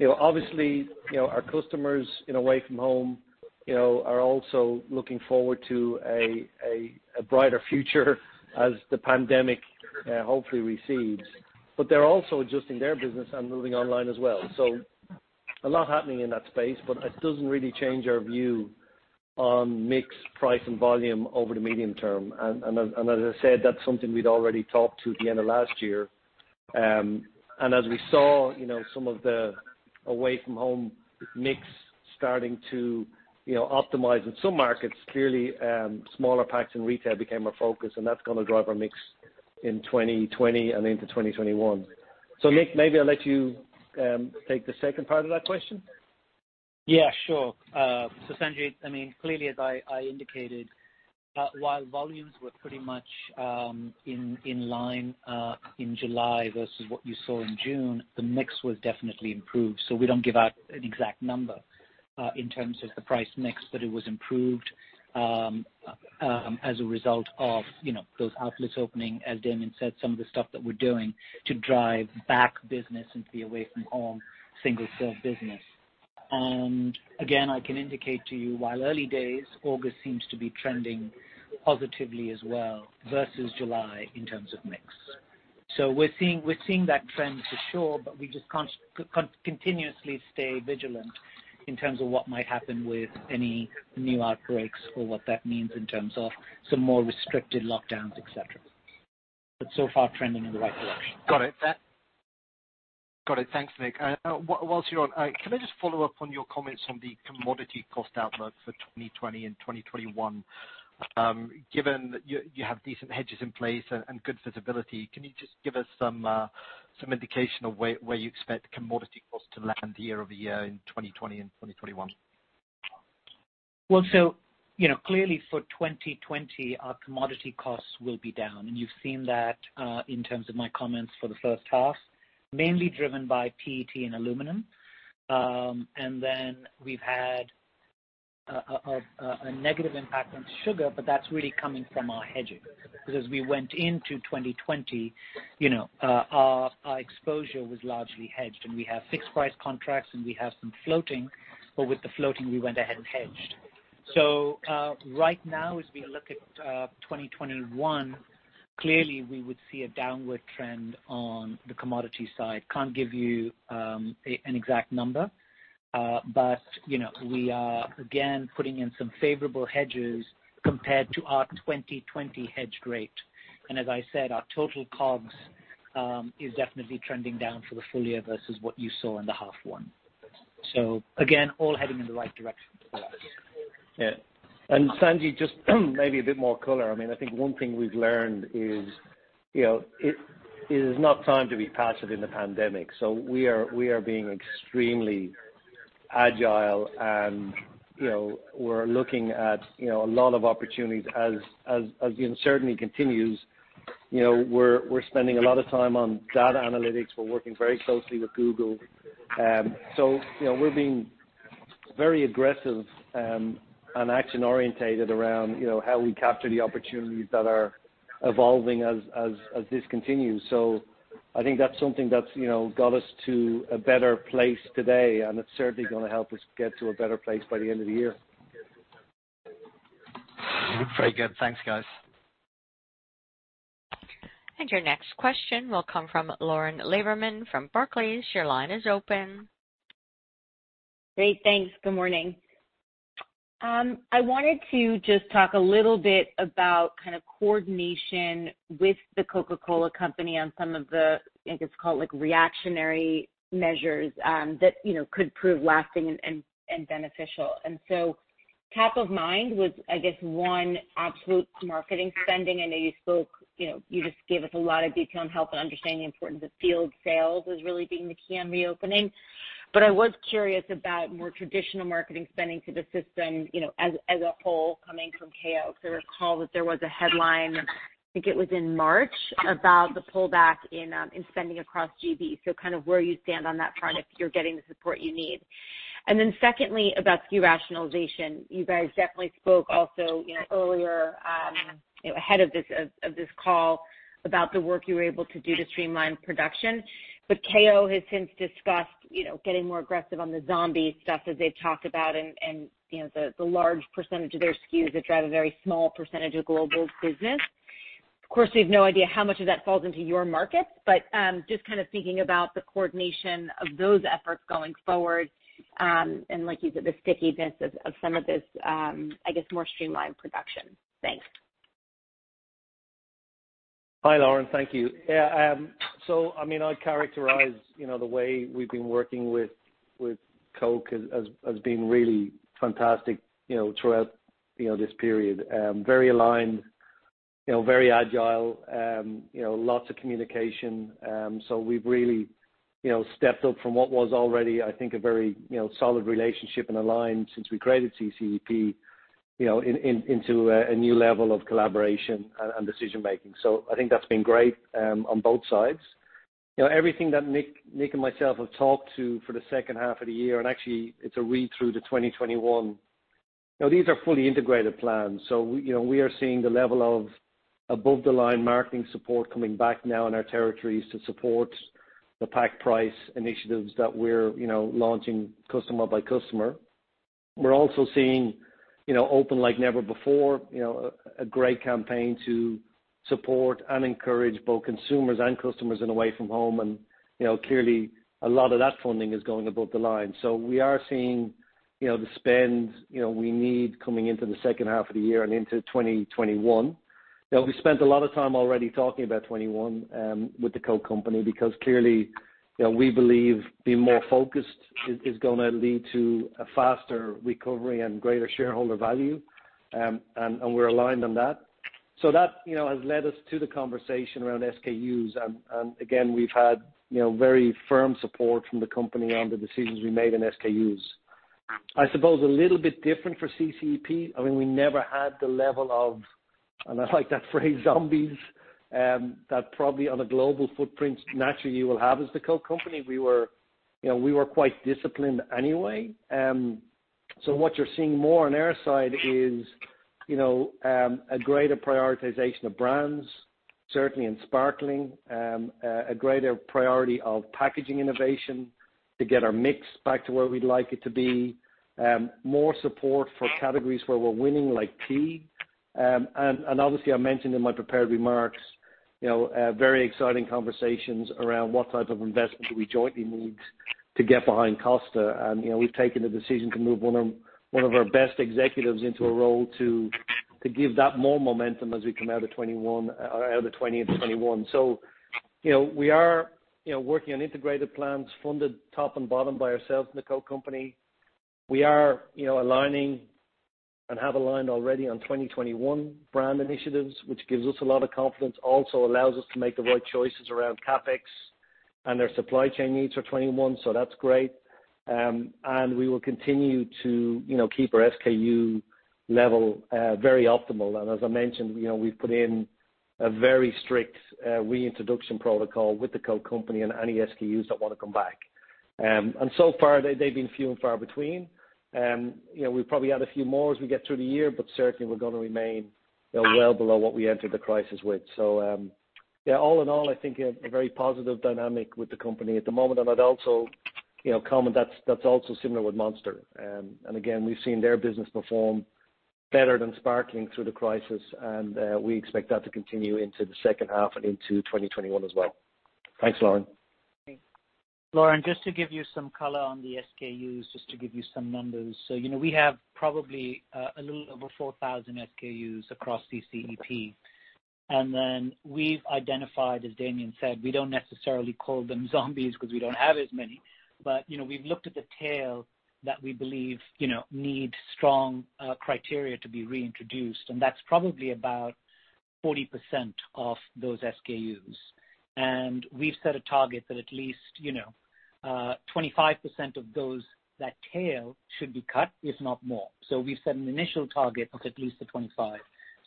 You know, obviously, you know, our customers in away from home, you know, are also looking forward to a brighter future as the pandemic hopefully recedes. But they're also adjusting their business and moving online as well. So a lot happening in that space, but it doesn't really change our view on mix, price, and volume over the medium term. And as I said, that's something we'd already talked to at the end of last year. And as we saw, you know, some of the away from home mix starting to, you know, optimize in some markets, clearly, smaller packs and retail became our focus, and that's gonna drive our mix in 2020 and into 2021. So Nik, maybe I'll let you take the second part of that question. Yeah, sure. So Sanjeet, I mean, clearly, as I indicated, while volumes were pretty much in line in July versus what you saw in June, the mix was definitely improved. So we don't give out an exact number in terms of the price mix, but it was improved as a result of, you know, those outlets opening, as Damian said, some of the stuff that we're doing to drive back business into the away from home single serve business. Again, I can indicate to you, while early days, August seems to be trending positively as well versus July in terms of mix. We're seeing that trend for sure, but we just continuously stay vigilant in terms of what might happen with any new outbreaks or what that means in terms of some more restricted lockdowns, et cetera. But so far, trending in the right direction. Got it. Thanks, Nik. While you're on, can I just follow up on your comments on the commodity cost outlook for 2020 and 2021? Given you have decent hedges in place and good visibility, can you just give us some indication of where you expect commodity costs to land year-over-year in 2020 and 2021? So, you know, clearly for 2020, our commodity costs will be down, and you've seen that in terms of my comments for the first half, mainly driven by PET and aluminum. And then we've had a negative impact on sugar, but that's really coming from our hedging. Because as we went into 2020, you know, our exposure was largely hedged, and we have fixed price contracts, and we have some floating. But with the floating, we went ahead and hedged. Right now, as we look at 2021, clearly we would see a downward trend on the commodity side. Can't give you an exact number, but you know, we are again putting in some favorable hedges compared to our 2020 hedge rate. As I said, our total COGS is definitely trending down for the full year versus what you saw in the half one. Again, all heading in the right direction for us. Yeah. And Nik, just maybe a bit more color. I mean, I think one thing we've learned is, you know, it is not time to be passive in the pandemic. So we are, we are being extremely agile and, you know, we're looking at, you know, a lot of opportunities as the uncertainty continues. You know, we're, we're spending a lot of time on data analytics. We're working very closely with Google. So, you know, we're being very aggressive, and action-oriented around, you know, how we capture the opportunities that are evolving as this continues. So I think that's something that's, you know, got us to a better place today, and it's certainly going to help us get to a better place by the end of the year. Very good. Thanks, guys. And your next question will come from Lauren Lieberman from Barclays. Your line is open. Great, thanks. Good morning. I wanted to just talk a little bit about kind of coordination with the Coca-Cola Company on some of the, I think it's called, like, reactionary measures, that, you know, could prove lasting and beneficial. And so top of mind was, I guess, one, absolute marketing spending. I know you spoke, you know, you just gave us a lot of detail on help and understanding the importance of field sales as really being the key on reopening. But I was curious about more traditional marketing spending to the system, you know, as a whole, coming from KO. Because I recall that there was a headline, I think it was in March, about the pullback in spending across GB. So kind of where you stand on that front, if you're getting the support you need. And then secondly, about SKU rationalization. You guys definitely spoke also, you know, earlier, you know, ahead of this, of this call, about the work you were able to do to streamline production. But KO has since discussed, you know, getting more aggressive on the zombie stuff, as they've talked about, and you know, the large percentage of their SKUs that drive a very small percentage of global business. Of course, we have no idea how much of that falls into your market, but just kind of thinking about the coordination of those efforts going forward, and like you said, the stickiness of some of this, I guess, more streamlined production. Thanks. Hi, Lauren. Thank you. Yeah, so I mean, I'd characterize, you know, the way we've been working with Coke as being really fantastic, you know, throughout, you know, this period. Very aligned, you know, very agile, you know, lots of communication. So we've really, you know, stepped up from what was already, I think, a very, you know, solid relationship and aligned since we created CCEP, you know, into a new level of collaboration and decision making. So I think that's been great, on both sides. You know, everything that Nik and myself have talked to for the second half of the year, and actually, it's a read through to 2021. Now, these are fully integrated plans, so we, you know, we are seeing the level of above the line marketing support coming back now in our territories to support the pack price initiatives that we're, you know, launching customer by customer. We're also seeing, you know, Open Like Never Before, you know, a great campaign to support and encourage both consumers and customers in away from home. And, you know, clearly a lot of that funding is going above the line. So we are seeing, you know, the spend, you know, we need coming into the second half of the year and into 2021. Now, we spent a lot of time already talking about 2021 with the Coke Company, because clearly, you know, we believe being more focused is gonna lead to a faster recovery and greater shareholder value. And we're aligned on that. So that, you know, has led us to the conversation around SKUs. And again, we've had, you know, very firm support from the company on the decisions we made in SKUs. I suppose a little bit different for CCEP. I mean, we never had the level of, and I like that phrase, zombies, that probably on a global footprint, naturally, you will have as the Coke Company. We were, you know, we were quite disciplined anyway. So what you're seeing more on our side is, you know, a greater prioritization of brands, certainly in sparkling. A greater priority of packaging innovation to get our mix back to where we'd like it to be. More support for categories where we're winning, like tea. And obviously, I mentioned in my prepared remarks, you know, very exciting conversations around what type of investment do we jointly need to get behind Costa. And, you know, we've taken the decision to move one of our best executives into a role to give that more momentum as we come out of 2021, out of 2020 into 2021. So, you know, we are, you know, working on integrated plans funded top and bottom by ourselves and the Coke Company. We are, you know, aligning and have aligned already on 2021 brand initiatives, which gives us a lot of confidence, also allows us to make the right choices around CapEx and their supply chain needs for 2021, so that's great. And we will continue to, you know, keep our SKU level very optimal. And as I mentioned, you know, we've put in a very strict reintroduction protocol with the Coke Company and any SKUs that want to come back. And so far, they, they've been few and far between. You know, we probably add a few more as we get through the year, but certainly we're gonna remain, you know, well below what we entered the crisis with. So, yeah, all in all, I think a very positive dynamic with the company at the moment. And I'd also, you know, comment that's also similar with Monster. And again, we've seen their business perform better than sparkling through the crisis, and we expect that to continue into the second half and into 2021 as well. Thanks, Lauren. Lauren, just to give you some color on the SKUs, just to give you some numbers. So you know, we have probably a little over 4,000 SKUs across CCEP. And then we've identified, as Damian said, we don't necessarily call them zombies because we don't have as many. But you know, we've looked at the tail that we believe you know need strong criteria to be reintroduced, and that's probably about 40% of those SKUs. And we've set a target that at least you know 25% of those, that tail should be cut, if not more. So we've set an initial target of at least the 25.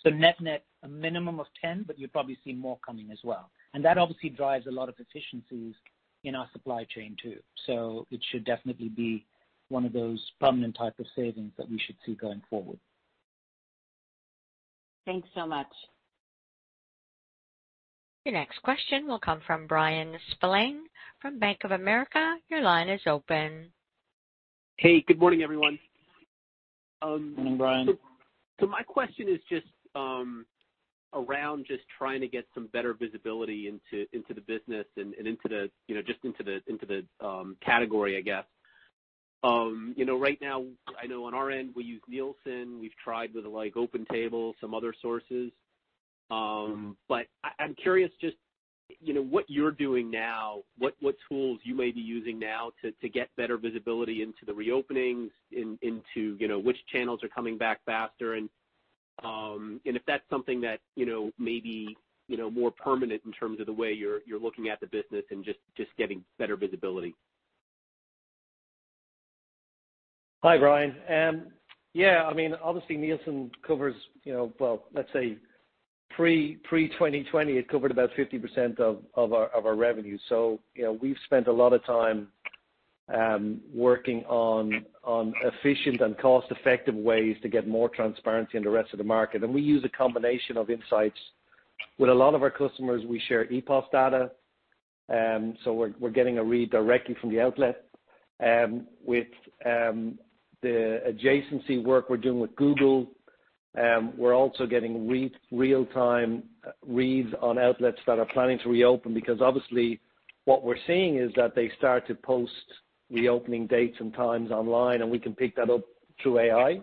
So net-net, a minimum of 10, but you'll probably see more coming as well. And that obviously drives a lot of efficiencies in our supply chain, too. So it should definitely be one of those permanent type of savings that we should see going forward. Thanks so much. Your next question will come from Bryan Spillane from Bank of America. Your line is open. Hey, good morning, everyone. Morning, Bryan. So, my question is just around just trying to get some better visibility into the business and into the, you know, just into the category, I guess. You know, right now, I know on our end, we use Nielsen. We've tried with, like, OpenTable, some other sources. But I'm curious, you know, what you're doing now, what tools you may be using now to get better visibility into the reopenings, into, you know, which channels are coming back faster, and if that's something that, you know, may be, you know, more permanent in terms of the way you're looking at the business and just getting better visibility. Hi, Bryan. Yeah, I mean, obviously, Nielsen covers, you know, well, let's say pre-2020, it covered about 50% of our revenue. So, you know, we've spent a lot of time working on efficient and cost-effective ways to get more transparency in the rest of the market, and we use a combination of insights. With a lot of our customers, we share ePOS data, so we're getting a read directly from the outlet. With the adjacency work we're doing with Google, we're also getting real-time reads on outlets that are planning to reopen, because obviously, what we're seeing is that they start to post reopening dates and times online, and we can pick that up through AI.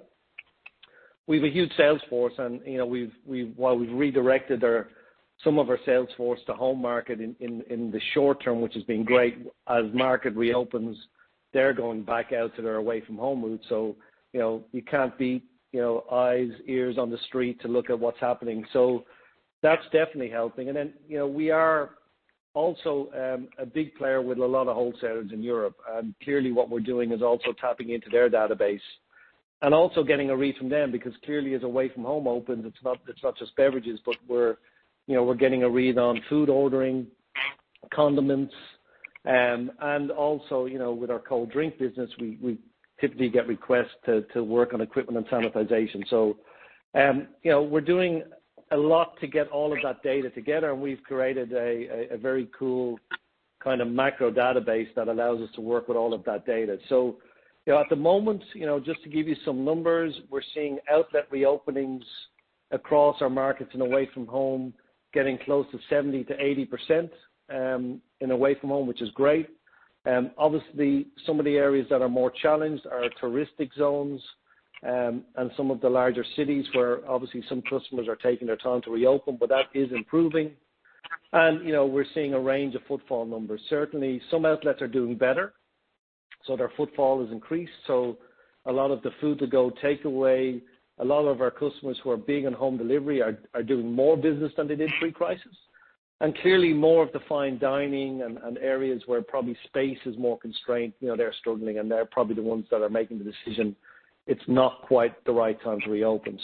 We have a huge sales force, and, you know, while we've redirected some of our sales force to home market in the short term, which has been great, as market reopens, they're going back out to their away from home route. So, you know, you can't beat, you know, eyes, ears on the street to look at what's happening. So that's definitely helping. And then, you know, we are also a big player with a lot of wholesalers in Europe, and clearly what we're doing is also tapping into their database and also getting a read from them, because clearly, as away-from-home opens, it's not just beverages, but we're, you know, we're getting a read on food ordering, condiments, and also, you know, with our cold drink business, we typically get requests to work on equipment and sanitization. So, you know, we're doing a lot to get all of that data together, and we've created a very cool kind of macro database that allows us to work with all of that data. You know, at the moment, you know, just to give you some numbers, we're seeing outlet reopenings across our markets and away from home, getting close to 70%-80%, and away from home, which is great. Obviously, some of the areas that are more challenged are touristic zones and some of the larger cities, where obviously some customers are taking their time to reopen, but that is improving. And, you know, we're seeing a range of footfall numbers. Certainly, some outlets are doing better, so their footfall has increased. So a lot of the food to go takeaway, a lot of our customers who are big in home delivery are doing more business than they did pre-crisis. Clearly, more of the fine dining and areas where probably space is more constrained, you know, they're struggling, and they're probably the ones that are making the decision it's not quite the right time to reopen.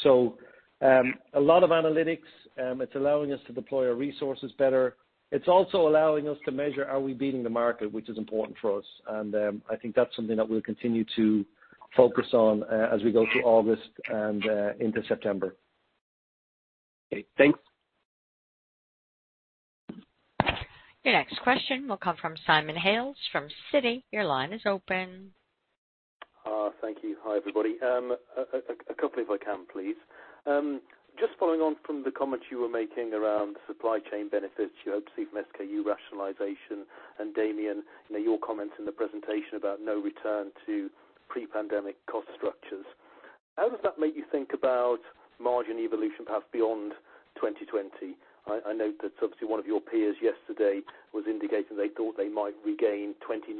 A lot of analytics is allowing us to deploy our resources better. It's also allowing us to measure, are we beating the market, which is important for us. I think that's something that we'll continue to focus on as we go through August and into September. Okay, thanks. Your next question will come from Simon Hales from Citi. Your line is open. Thank you. Hi, everybody. A couple if I can, please. Just following on from the comments you were making around supply chain benefits you hope to see from SKU rationalization, and Damian, you know, your comments in the presentation about no return to pre-pandemic cost structures. How does that make you think about margin evolution path beyond 2020? I note that obviously one of your peers yesterday was indicating they thought they might regain 2019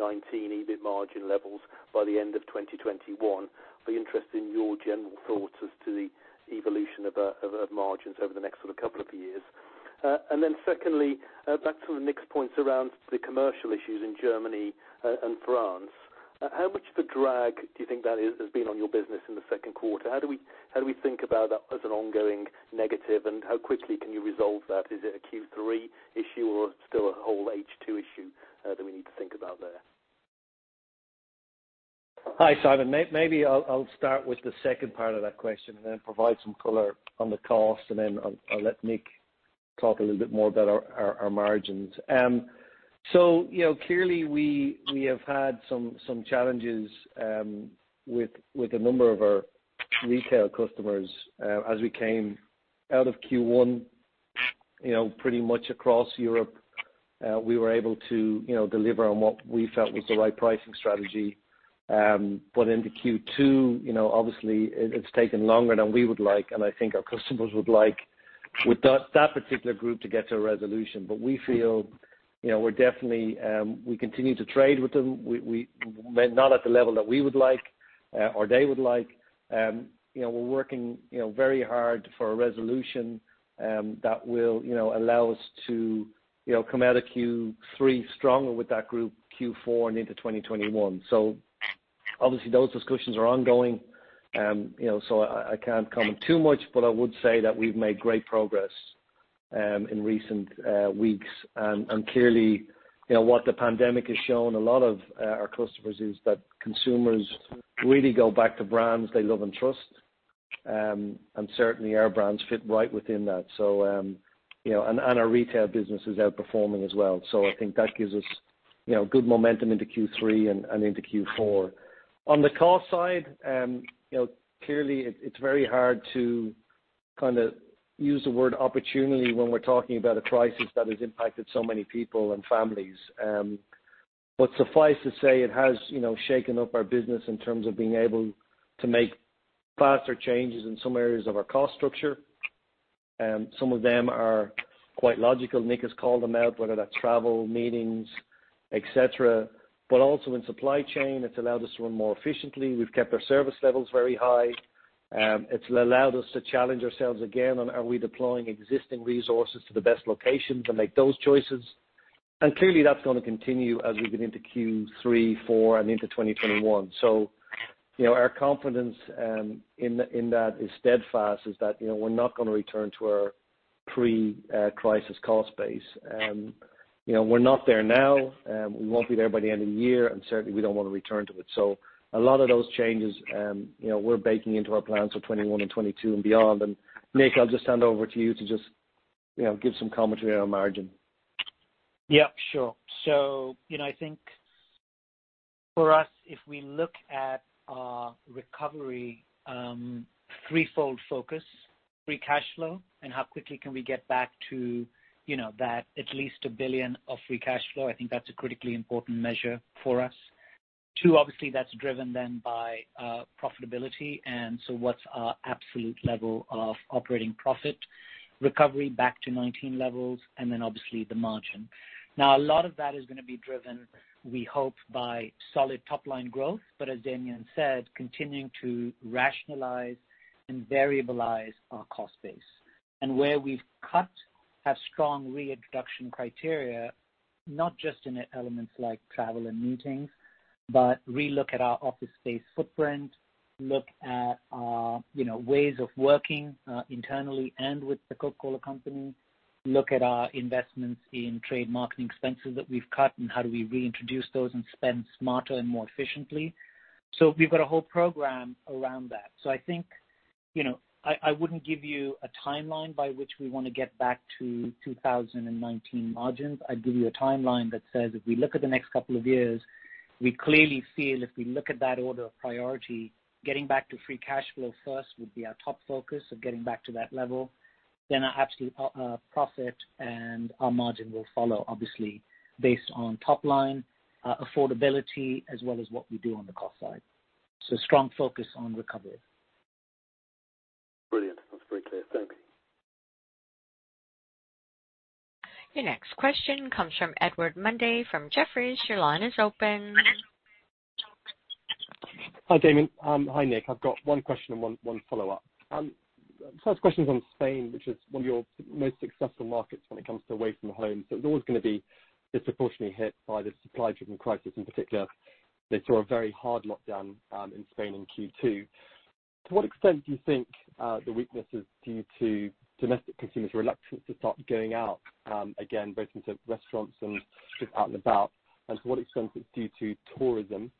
EBIT margin levels by the end of 2021. I'd be interested in your general thoughts as to the evolution of margins over the next sort of couple of years.... and then secondly, back to the mix points around the commercial issues in Germany, and France. How much of a drag do you think that is, has been on your business in the second quarter? How do we, how do we think about that as an ongoing negative, and how quickly can you resolve that? Is it a Q3 issue or still a whole H2 issue, that we need to think about there? Hi, Simon. Maybe I'll start with the second part of that question and then provide some color on the cost, and then I'll let Nik talk a little bit more about our margins. So, you know, clearly we have had some challenges with a number of our retail customers. As we came out of Q1, you know, pretty much across Europe, we were able to deliver on what we felt was the right pricing strategy. But into Q2, you know, obviously it's taken longer than we would like, and I think our customers would like with that particular group to get to a resolution. But we feel, you know, we're definitely. We continue to trade with them. We but not at the level that we would like, or they would like. You know, we're working, you know, very hard for a resolution that will, you know, allow us to, you know, come out of Q3 stronger with that group, Q4 and into 2021. So obviously, those discussions are ongoing, you know, so I can't comment too much, but I would say that we've made great progress in recent weeks. Clearly, you know, what the pandemic has shown a lot of our customers is that consumers really go back to brands they love and trust, and certainly our brands fit right within that. So, you know, and our retail business is outperforming as well. So I think that gives us, you know, good momentum into Q3 and into Q4. On the cost side, you know, clearly it's very hard to kind of use the word opportunity when we're talking about a crisis that has impacted so many people and families, but suffice to say, it has, you know, shaken up our business in terms of being able to make faster changes in some areas of our cost structure, and some of them are quite logical. Nik has called them out, whether that's travel, meetings, et cetera, but also in supply chain, it's allowed us to run more efficiently. We've kept our service levels very high. It's allowed us to challenge ourselves again on, are we deploying existing resources to the best locations and make those choices, and clearly, that's gonna continue as we get into Q3, Q4, and into 2021. So you know, our confidence in that is steadfast, that you know, we're not gonna return to our pre-crisis cost base. You know, we're not there now, we won't be there by the end of the year, and certainly we don't want to return to it. So a lot of those changes, you know, we're baking into our plans for 2021 and 2022 and beyond. And, Nik, I'll just hand over to you to just, you know, give some commentary on margin. Yeah, sure. So, you know, I think for us, if we look at our recovery, threefold focus, free cash flow and how quickly can we get back to, you know, that at least a billion of free cash flow. I think that's a critically important measure for us. Two, obviously, that's driven then by profitability, and so what's our absolute level of operating profit? Recovery back to 2019 levels and then obviously the margin. Now, a lot of that is gonna be driven, we hope, by solid top-line growth, but as Damian said, continuing to rationalize and variabilize our cost base. Where we've cut, have strong reintroduction criteria, not just in elements like travel and meetings, but relook at our office space footprint, look at our, you know, ways of working internally and with the Coca-Cola Company, look at our investments in trade marketing expenses that we've cut and how do we reintroduce those and spend smarter and more efficiently. So we've got a whole program around that. So I think, you know, I wouldn't give you a timeline by which we want to get back to 2019 margins. I'd give you a timeline that says, if we look at the next couple of years, we clearly feel if we look at that order of priority, getting back to free cash flow first would be our top focus, so getting back to that level. Then our absolute profit and our margin will follow, obviously, based on top line, affordability, as well as what we do on the cost side. So strong focus on recovery. Brilliant. That's very clear. Thank you. Your next question comes from Edward Mundy from Jefferies. Your line is open. Hi, Damian. Hi, Nik. I've got one question and one follow-up. First question is on Spain, which is one of your most successful markets when it comes to away-from-home. So it's always gonna be disproportionately hit by the supply-driven crisis. In particular, they saw a very hard lockdown in Spain in Q2. To what extent do you think the weakness is due to domestic consumers' reluctance to start going out again, both into restaurants and just out and about? And to what extent is it due to tourism?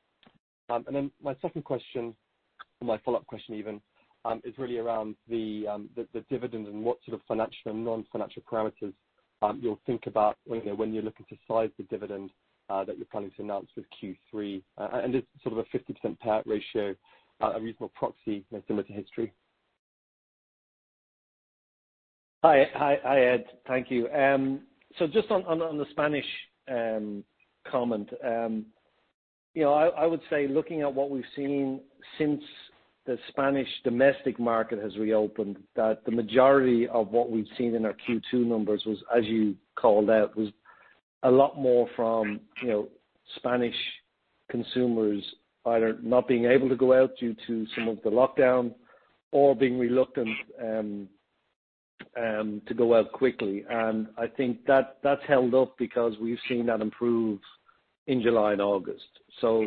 And then my second question, or my follow-up question even, is really around the dividend and what sort of financial and non-financial parameters you'll think about, you know, when you're looking to size the dividend that you're planning to announce with Q3. Is sort of a 50% payout ratio a reasonable proxy, you know, similar to history? Hi, Ed. Thank you. So just on the Spanish comment, you know, I would say, looking at what we've seen since the Spanish domestic market has reopened, that the majority of what we've seen in our Q2 numbers was, as you called out, a lot more from, you know, Spanish consumers either not being able to go out due to some of the lockdown or being reluctant to go out quickly, and I think that that's held up because we've seen that improve in July and August, so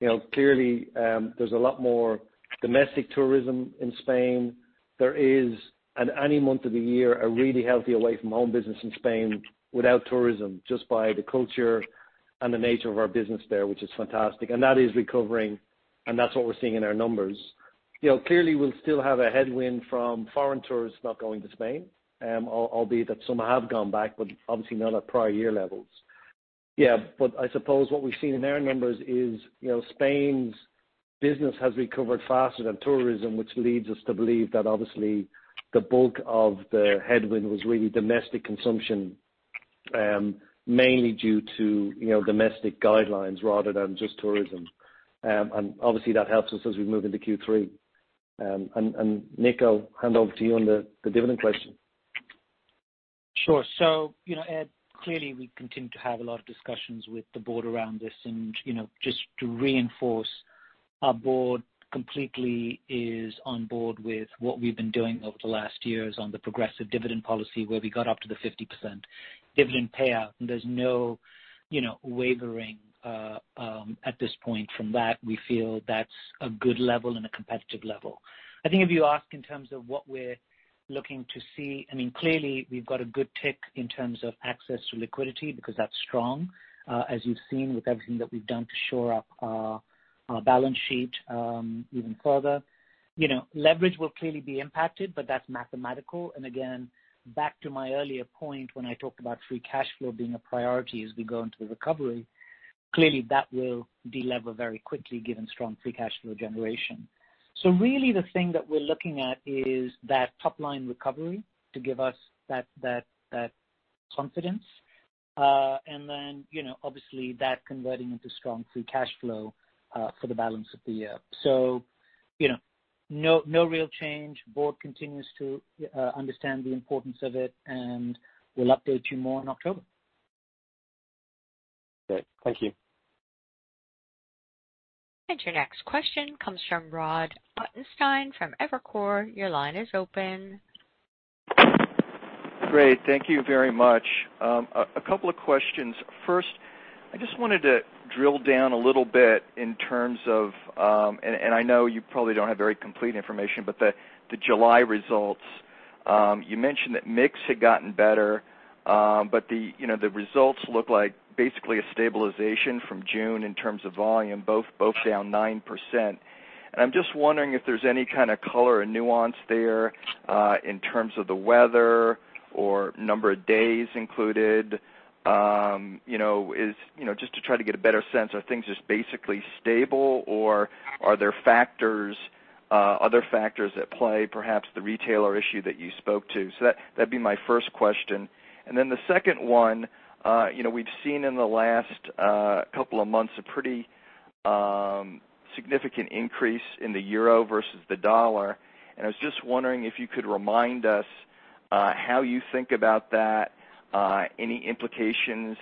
you know, clearly, there's a lot more domestic tourism in Spain. There is, in any month of the year, a really healthy away-from-home business in Spain without tourism, just by the culture and the nature of our business there, which is fantastic. And that is recovering, and that's what we're seeing in our numbers. You know, clearly, we'll still have a headwind from foreign tourists not going to Spain, albeit that some have gone back, but obviously not at prior year levels. Yeah, but I suppose what we've seen in our numbers is, you know, Spain's business has recovered faster than tourism, which leads us to believe that obviously the bulk of the headwind was really domestic consumption, mainly due to, you know, domestic guidelines rather than just tourism. And obviously, that helps us as we move into Q3. And Nik, I'll hand over to you on the dividend question. Sure. So you know, Ed, clearly we continue to have a lot of discussions with the board around this. And you know, just to reinforce, our board completely is on board with what we've been doing over the last years on the progressive dividend policy, where we got up to the 50% dividend payout, and there's no, you know, wavering at this point from that. We feel that's a good level and a competitive level. I think if you ask in terms of what we're looking to see, I mean, clearly, we've got a good tick in terms of access to liquidity, because that's strong, as you've seen with everything that we've done to shore up our balance sheet even further. You know, leverage will clearly be impacted, but that's mathematical. And again, back to my earlier point when I talked about free cash flow being a priority as we go into the recovery, clearly that will de-lever very quickly, given strong free cash flow generation. So really, the thing that we're looking at is that top line recovery to give us that confidence. And then, you know, obviously, that converting into strong free cash flow for the balance of the year. So, you know, no real change. Board continues to understand the importance of it, and we'll update you more in October. Great. Thank you. Your next question comes from Robert Ottenstein from Evercore. Your line is open. Great. Thank you very much. A couple of questions. First, I just wanted to drill down a little bit in terms of... And I know you probably don't have very complete information, but the July results, you mentioned that mix had gotten better, but the, you know, the results look like basically a stabilization from June in terms of volume, both down 9%. And I'm just wondering if there's any kind of color or nuance there, in terms of the weather or number of days included. You know, is, you know, just to try to get a better sense, are things just basically stable, or are there factors, other factors at play, perhaps the retailer issue that you spoke to? So that, that'd be my first question. And then the second one, you know, we've seen in the last couple of months a pretty significant increase in the euro versus the dollar, and I was just wondering if you could remind us how you think about that, any implications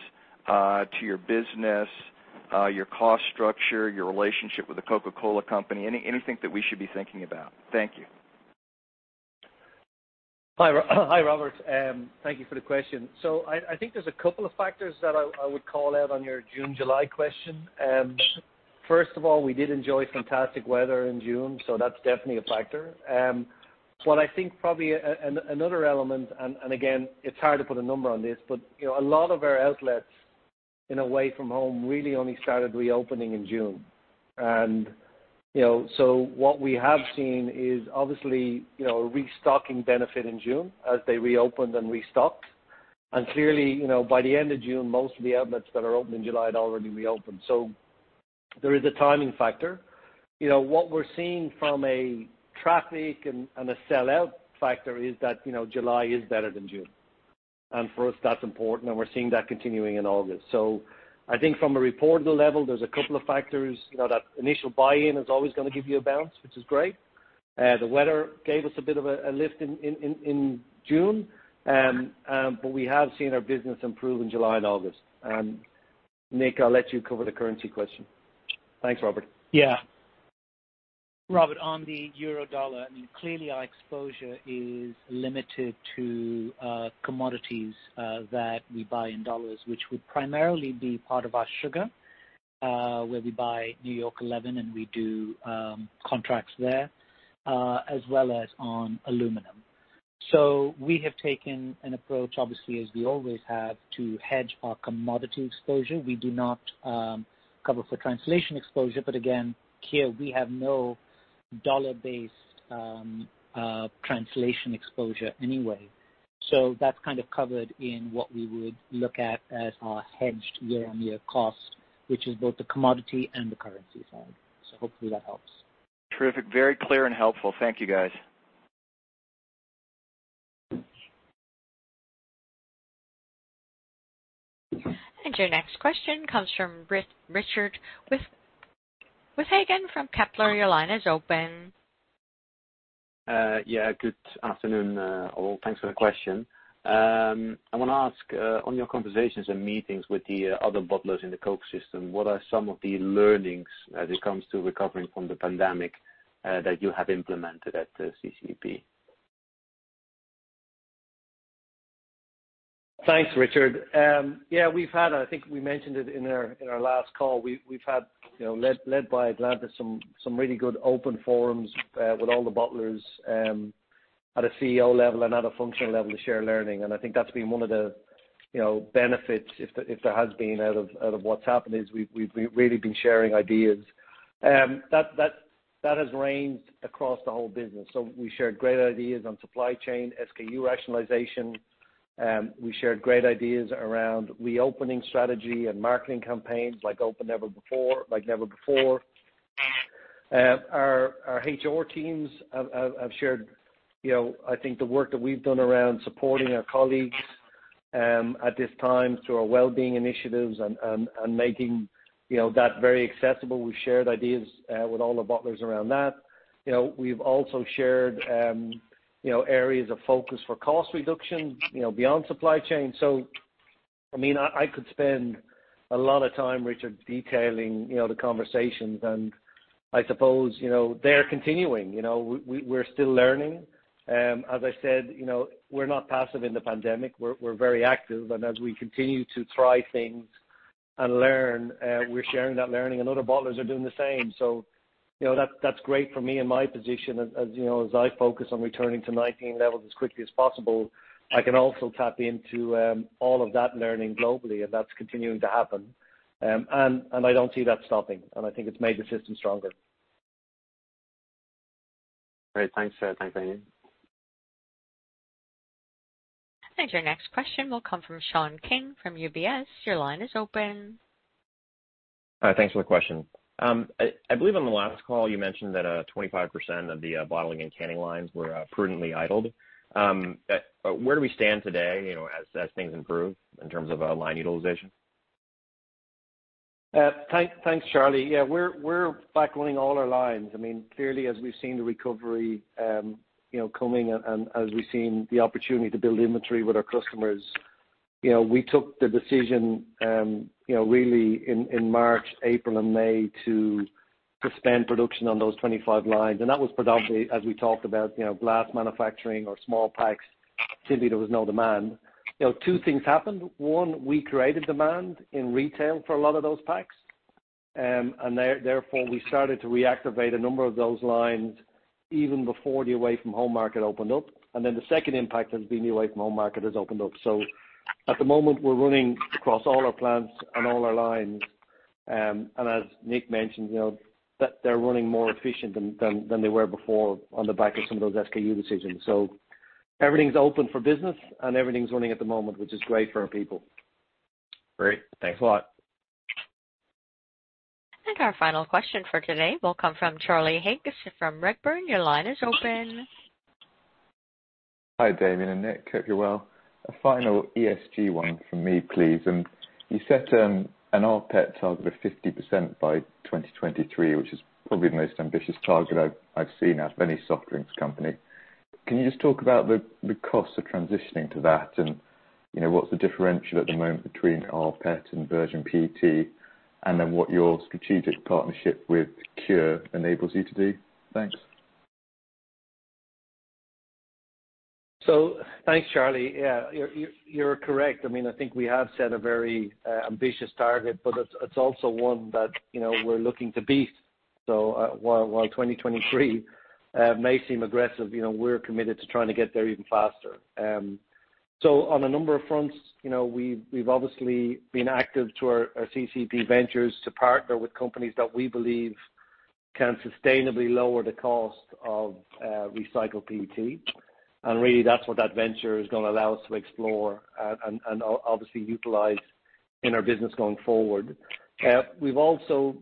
to your business, your cost structure, your relationship with the Coca-Cola Company, anything that we should be thinking about? Thank you. Hi, Robert, thank you for the question. So I think there's a couple of factors that I would call out on your June, July question. First of all, we did enjoy fantastic weather in June, so that's definitely a factor. What I think probably another element and again, it's hard to put a number on this, but you know, a lot of our outlets in away from home really only started reopening in June. And you know, so what we have seen is obviously you know, a restocking benefit in June as they reopened and restocked. And clearly you know, by the end of June, most of the outlets that are open in July had already reopened, so there is a timing factor. You know, what we're seeing from a traffic and a sellout factor is that, you know, July is better than June, and for us, that's important, and we're seeing that continuing in August, so I think from a reporting level, there's a couple of factors. You know, that initial buy-in is always gonna give you a bounce, which is great. The weather gave us a bit of a lift in June, but we have seen our business improve in July and August. Nik, I'll let you cover the currency question. Thanks, Robert. Yeah. Robert, on the euro dollar, I mean, clearly our exposure is limited to commodities that we buy in dollars, which would primarily be part of our sugar, where we buy New York 11, and we do contracts there as well as on aluminum. So we have taken an approach, obviously, as we always have, to hedge our commodity exposure. We do not cover for translation exposure, but again, here, we have no dollar-based translation exposure anyway. So that's kind of covered in what we would look at as our hedged year-on-year cost, which is both the commodity and the currency side. So hopefully that helps. Terrific. Very clear and helpful. Thank you, guys. Your next question comes from Richard Withagen from Kepler. Your line is open.... Yeah, good afternoon, all. Thanks for the question. I want to ask on your conversations and meetings with the other bottlers in the Coke system, what are some of the learnings as it comes to recovering from the pandemic that you have implemented at CCP? Thanks, Richard. Yeah, we've had, I think we mentioned it in our last call, we've had, you know, led by Gladys, some really good open forums with all the bottlers at a CEO level and at a functional level to share learning. And I think that's been one of the, you know, benefits, if there has been out of what's happened, is we've really been sharing ideas. That has rained across the whole business. So we shared great ideas on supply chain, SKU rationalization, we shared great ideas around reopening strategy and marketing campaigns like Open Like Never Before. Our HR teams have shared, you know, I think the work that we've done around supporting our colleagues at this time through our well-being initiatives and making, you know, that very accessible. We've shared ideas with all the bottlers around that. You know, we've also shared you know, areas of focus for cost reduction, you know, beyond supply chain. So, I mean, I could spend a lot of time, Richard, detailing, you know, the conversations, and I suppose, you know, they're continuing. You know, we're still learning. As I said, you know, we're not passive in the pandemic, we're very active, and as we continue to try things and learn, we're sharing that learning, and other bottlers are doing the same. So you know, that's great for me in my position as you know, as I focus on returning to 2019 levels as quickly as possible, I can also tap into all of that learning globally, and that's continuing to happen. And I don't see that stopping, and I think it's made the system stronger. Great. Thanks, thanks, Damian. And your next question will come from Sean King from UBS. Your line is open. Thanks for the question. I believe on the last call, you mentioned that 25% of the bottling and canning lines were prudently idled. Where do we stand today, you know, as things improve in terms of line utilization? Thanks, Charlie. Yeah, we're back running all our lines. I mean, clearly, as we've seen the recovery, you know, coming and as we've seen the opportunity to build inventory with our customers, you know, we took the decision, really in March, April and May to suspend production on those 25 lines. And that was predominantly as we talked about, you know, glass manufacturing or small packs. Simply, there was no demand. You know, two things happened. One, we created demand in retail for a lot of those packs, and therefore, we started to reactivate a number of those lines even before the away-from-home market opened up. And then the second impact has been the away-from-home market has opened up. So at the moment, we're running across all our plants and all our lines. And as Nik mentioned, you know, that they're running more efficient than they were before on the back of some of those SKU decisions. So everything's open for business and everything's running at the moment, which is great for our people. Great. Thanks a lot. And our final question for today will come from Charlie Higgs from Redburn. Your line is open. Hi, Damian and Nik. Hope you're well. A final ESG one from me, please. And you set an rPET target of 50% by 2023, which is probably the most ambitious target I've seen at any soft drinks company. Can you just talk about the cost of transitioning to that? And, you know, what's the differential at the moment between rPET and virgin PET, and then what your strategic partnership with CuRe enables you to do? Thanks. So thanks, Charlie. Yeah, you're correct. I mean, I think we have set a very ambitious target, but it's also one that, you know, we're looking to beat. So while 2023 may seem aggressive, you know, we're committed to trying to get there even faster. So on a number of fronts, you know, we've obviously been active through our CCEP Ventures to partner with companies that we believe can sustainably lower the cost of recycled PET. And really, that's what that venture is gonna allow us to explore and obviously utilize in our business going forward. We've also,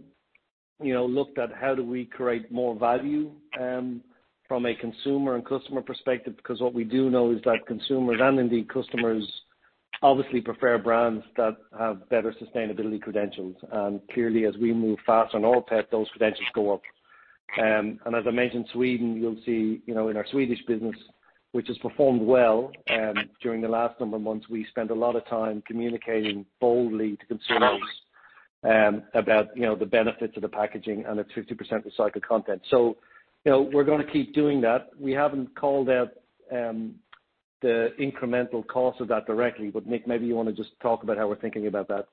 you know, looked at how do we create more value from a consumer and customer perspective, because what we do know is that consumers and indeed customers obviously prefer brands that have better sustainability credentials. Clearly, as we move faster on rPET, those credentials go up. As I mentioned, Sweden, you'll see, you know, in our Swedish business, which has performed well during the last number of months. We spent a lot of time communicating boldly to consumers about, you know, the benefits of the packaging and its 50% recycled content. So, you know, we're gonna keep doing that. We haven't called out the incremental cost of that directly, but Nik, maybe you want to just talk about how we're thinking about that.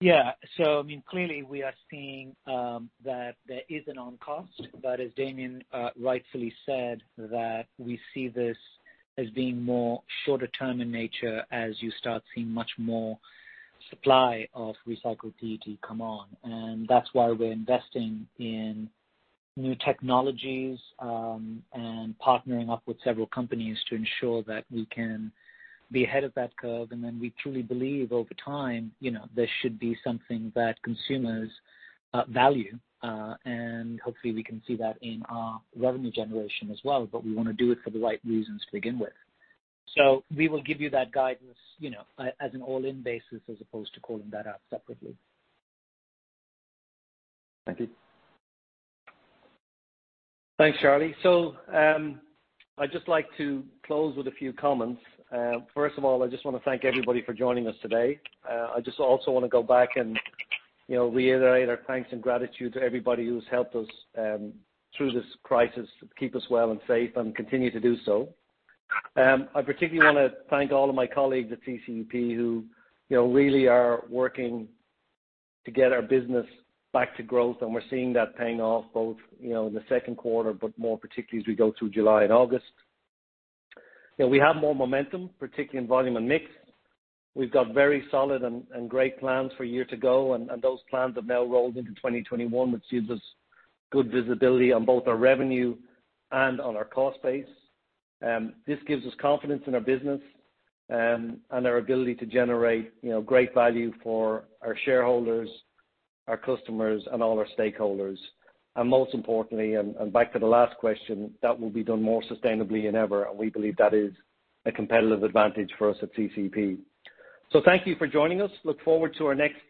Yeah. So, I mean, clearly, we are seeing that there is a non-cost, but as Damian rightfully said, that we see this as being more shorter term in nature as you start seeing much more supply of recycled PET come on. And that's why we're investing in new technologies and partnering up with several companies to ensure that we can be ahead of that curve. And then we truly believe over time, you know, this should be something that consumers value and hopefully we can see that in our revenue generation as well. But we want to do it for the right reasons to begin with. So we will give you that guidance, you know, as an all-in basis, as opposed to calling that out separately. Thank you. Thanks, Charlie. So, I'd just like to close with a few comments. First of all, I just want to thank everybody for joining us today. I just also want to go back and, you know, reiterate our thanks and gratitude to everybody who's helped us through this crisis, to keep us well and safe and continue to do so. I particularly want to thank all of my colleagues at CCEP who, you know, really are working to get our business back to growth, and we're seeing that paying off both, you know, in the second quarter, but more particularly as we go through July and August. You know, we have more momentum, particularly in volume and mix. We've got very solid and great plans for the year to go, and those plans have now rolled into 2021, which gives us good visibility on both our revenue and on our cost base. This gives us confidence in our business, and our ability to generate, you know, great value for our shareholders, our customers, and all our stakeholders. Most importantly, back to the last question, that will be done more sustainably than ever, and we believe that is a competitive advantage for us at CCEP. So thank you for joining us. Look forward to our next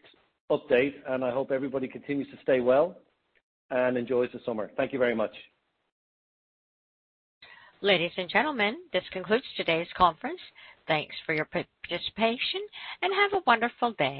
update, and I hope everybody continues to stay well and enjoys the summer. Thank you very much. Ladies and gentlemen, this concludes today's conference. Thanks for your participation, and have a wonderful day.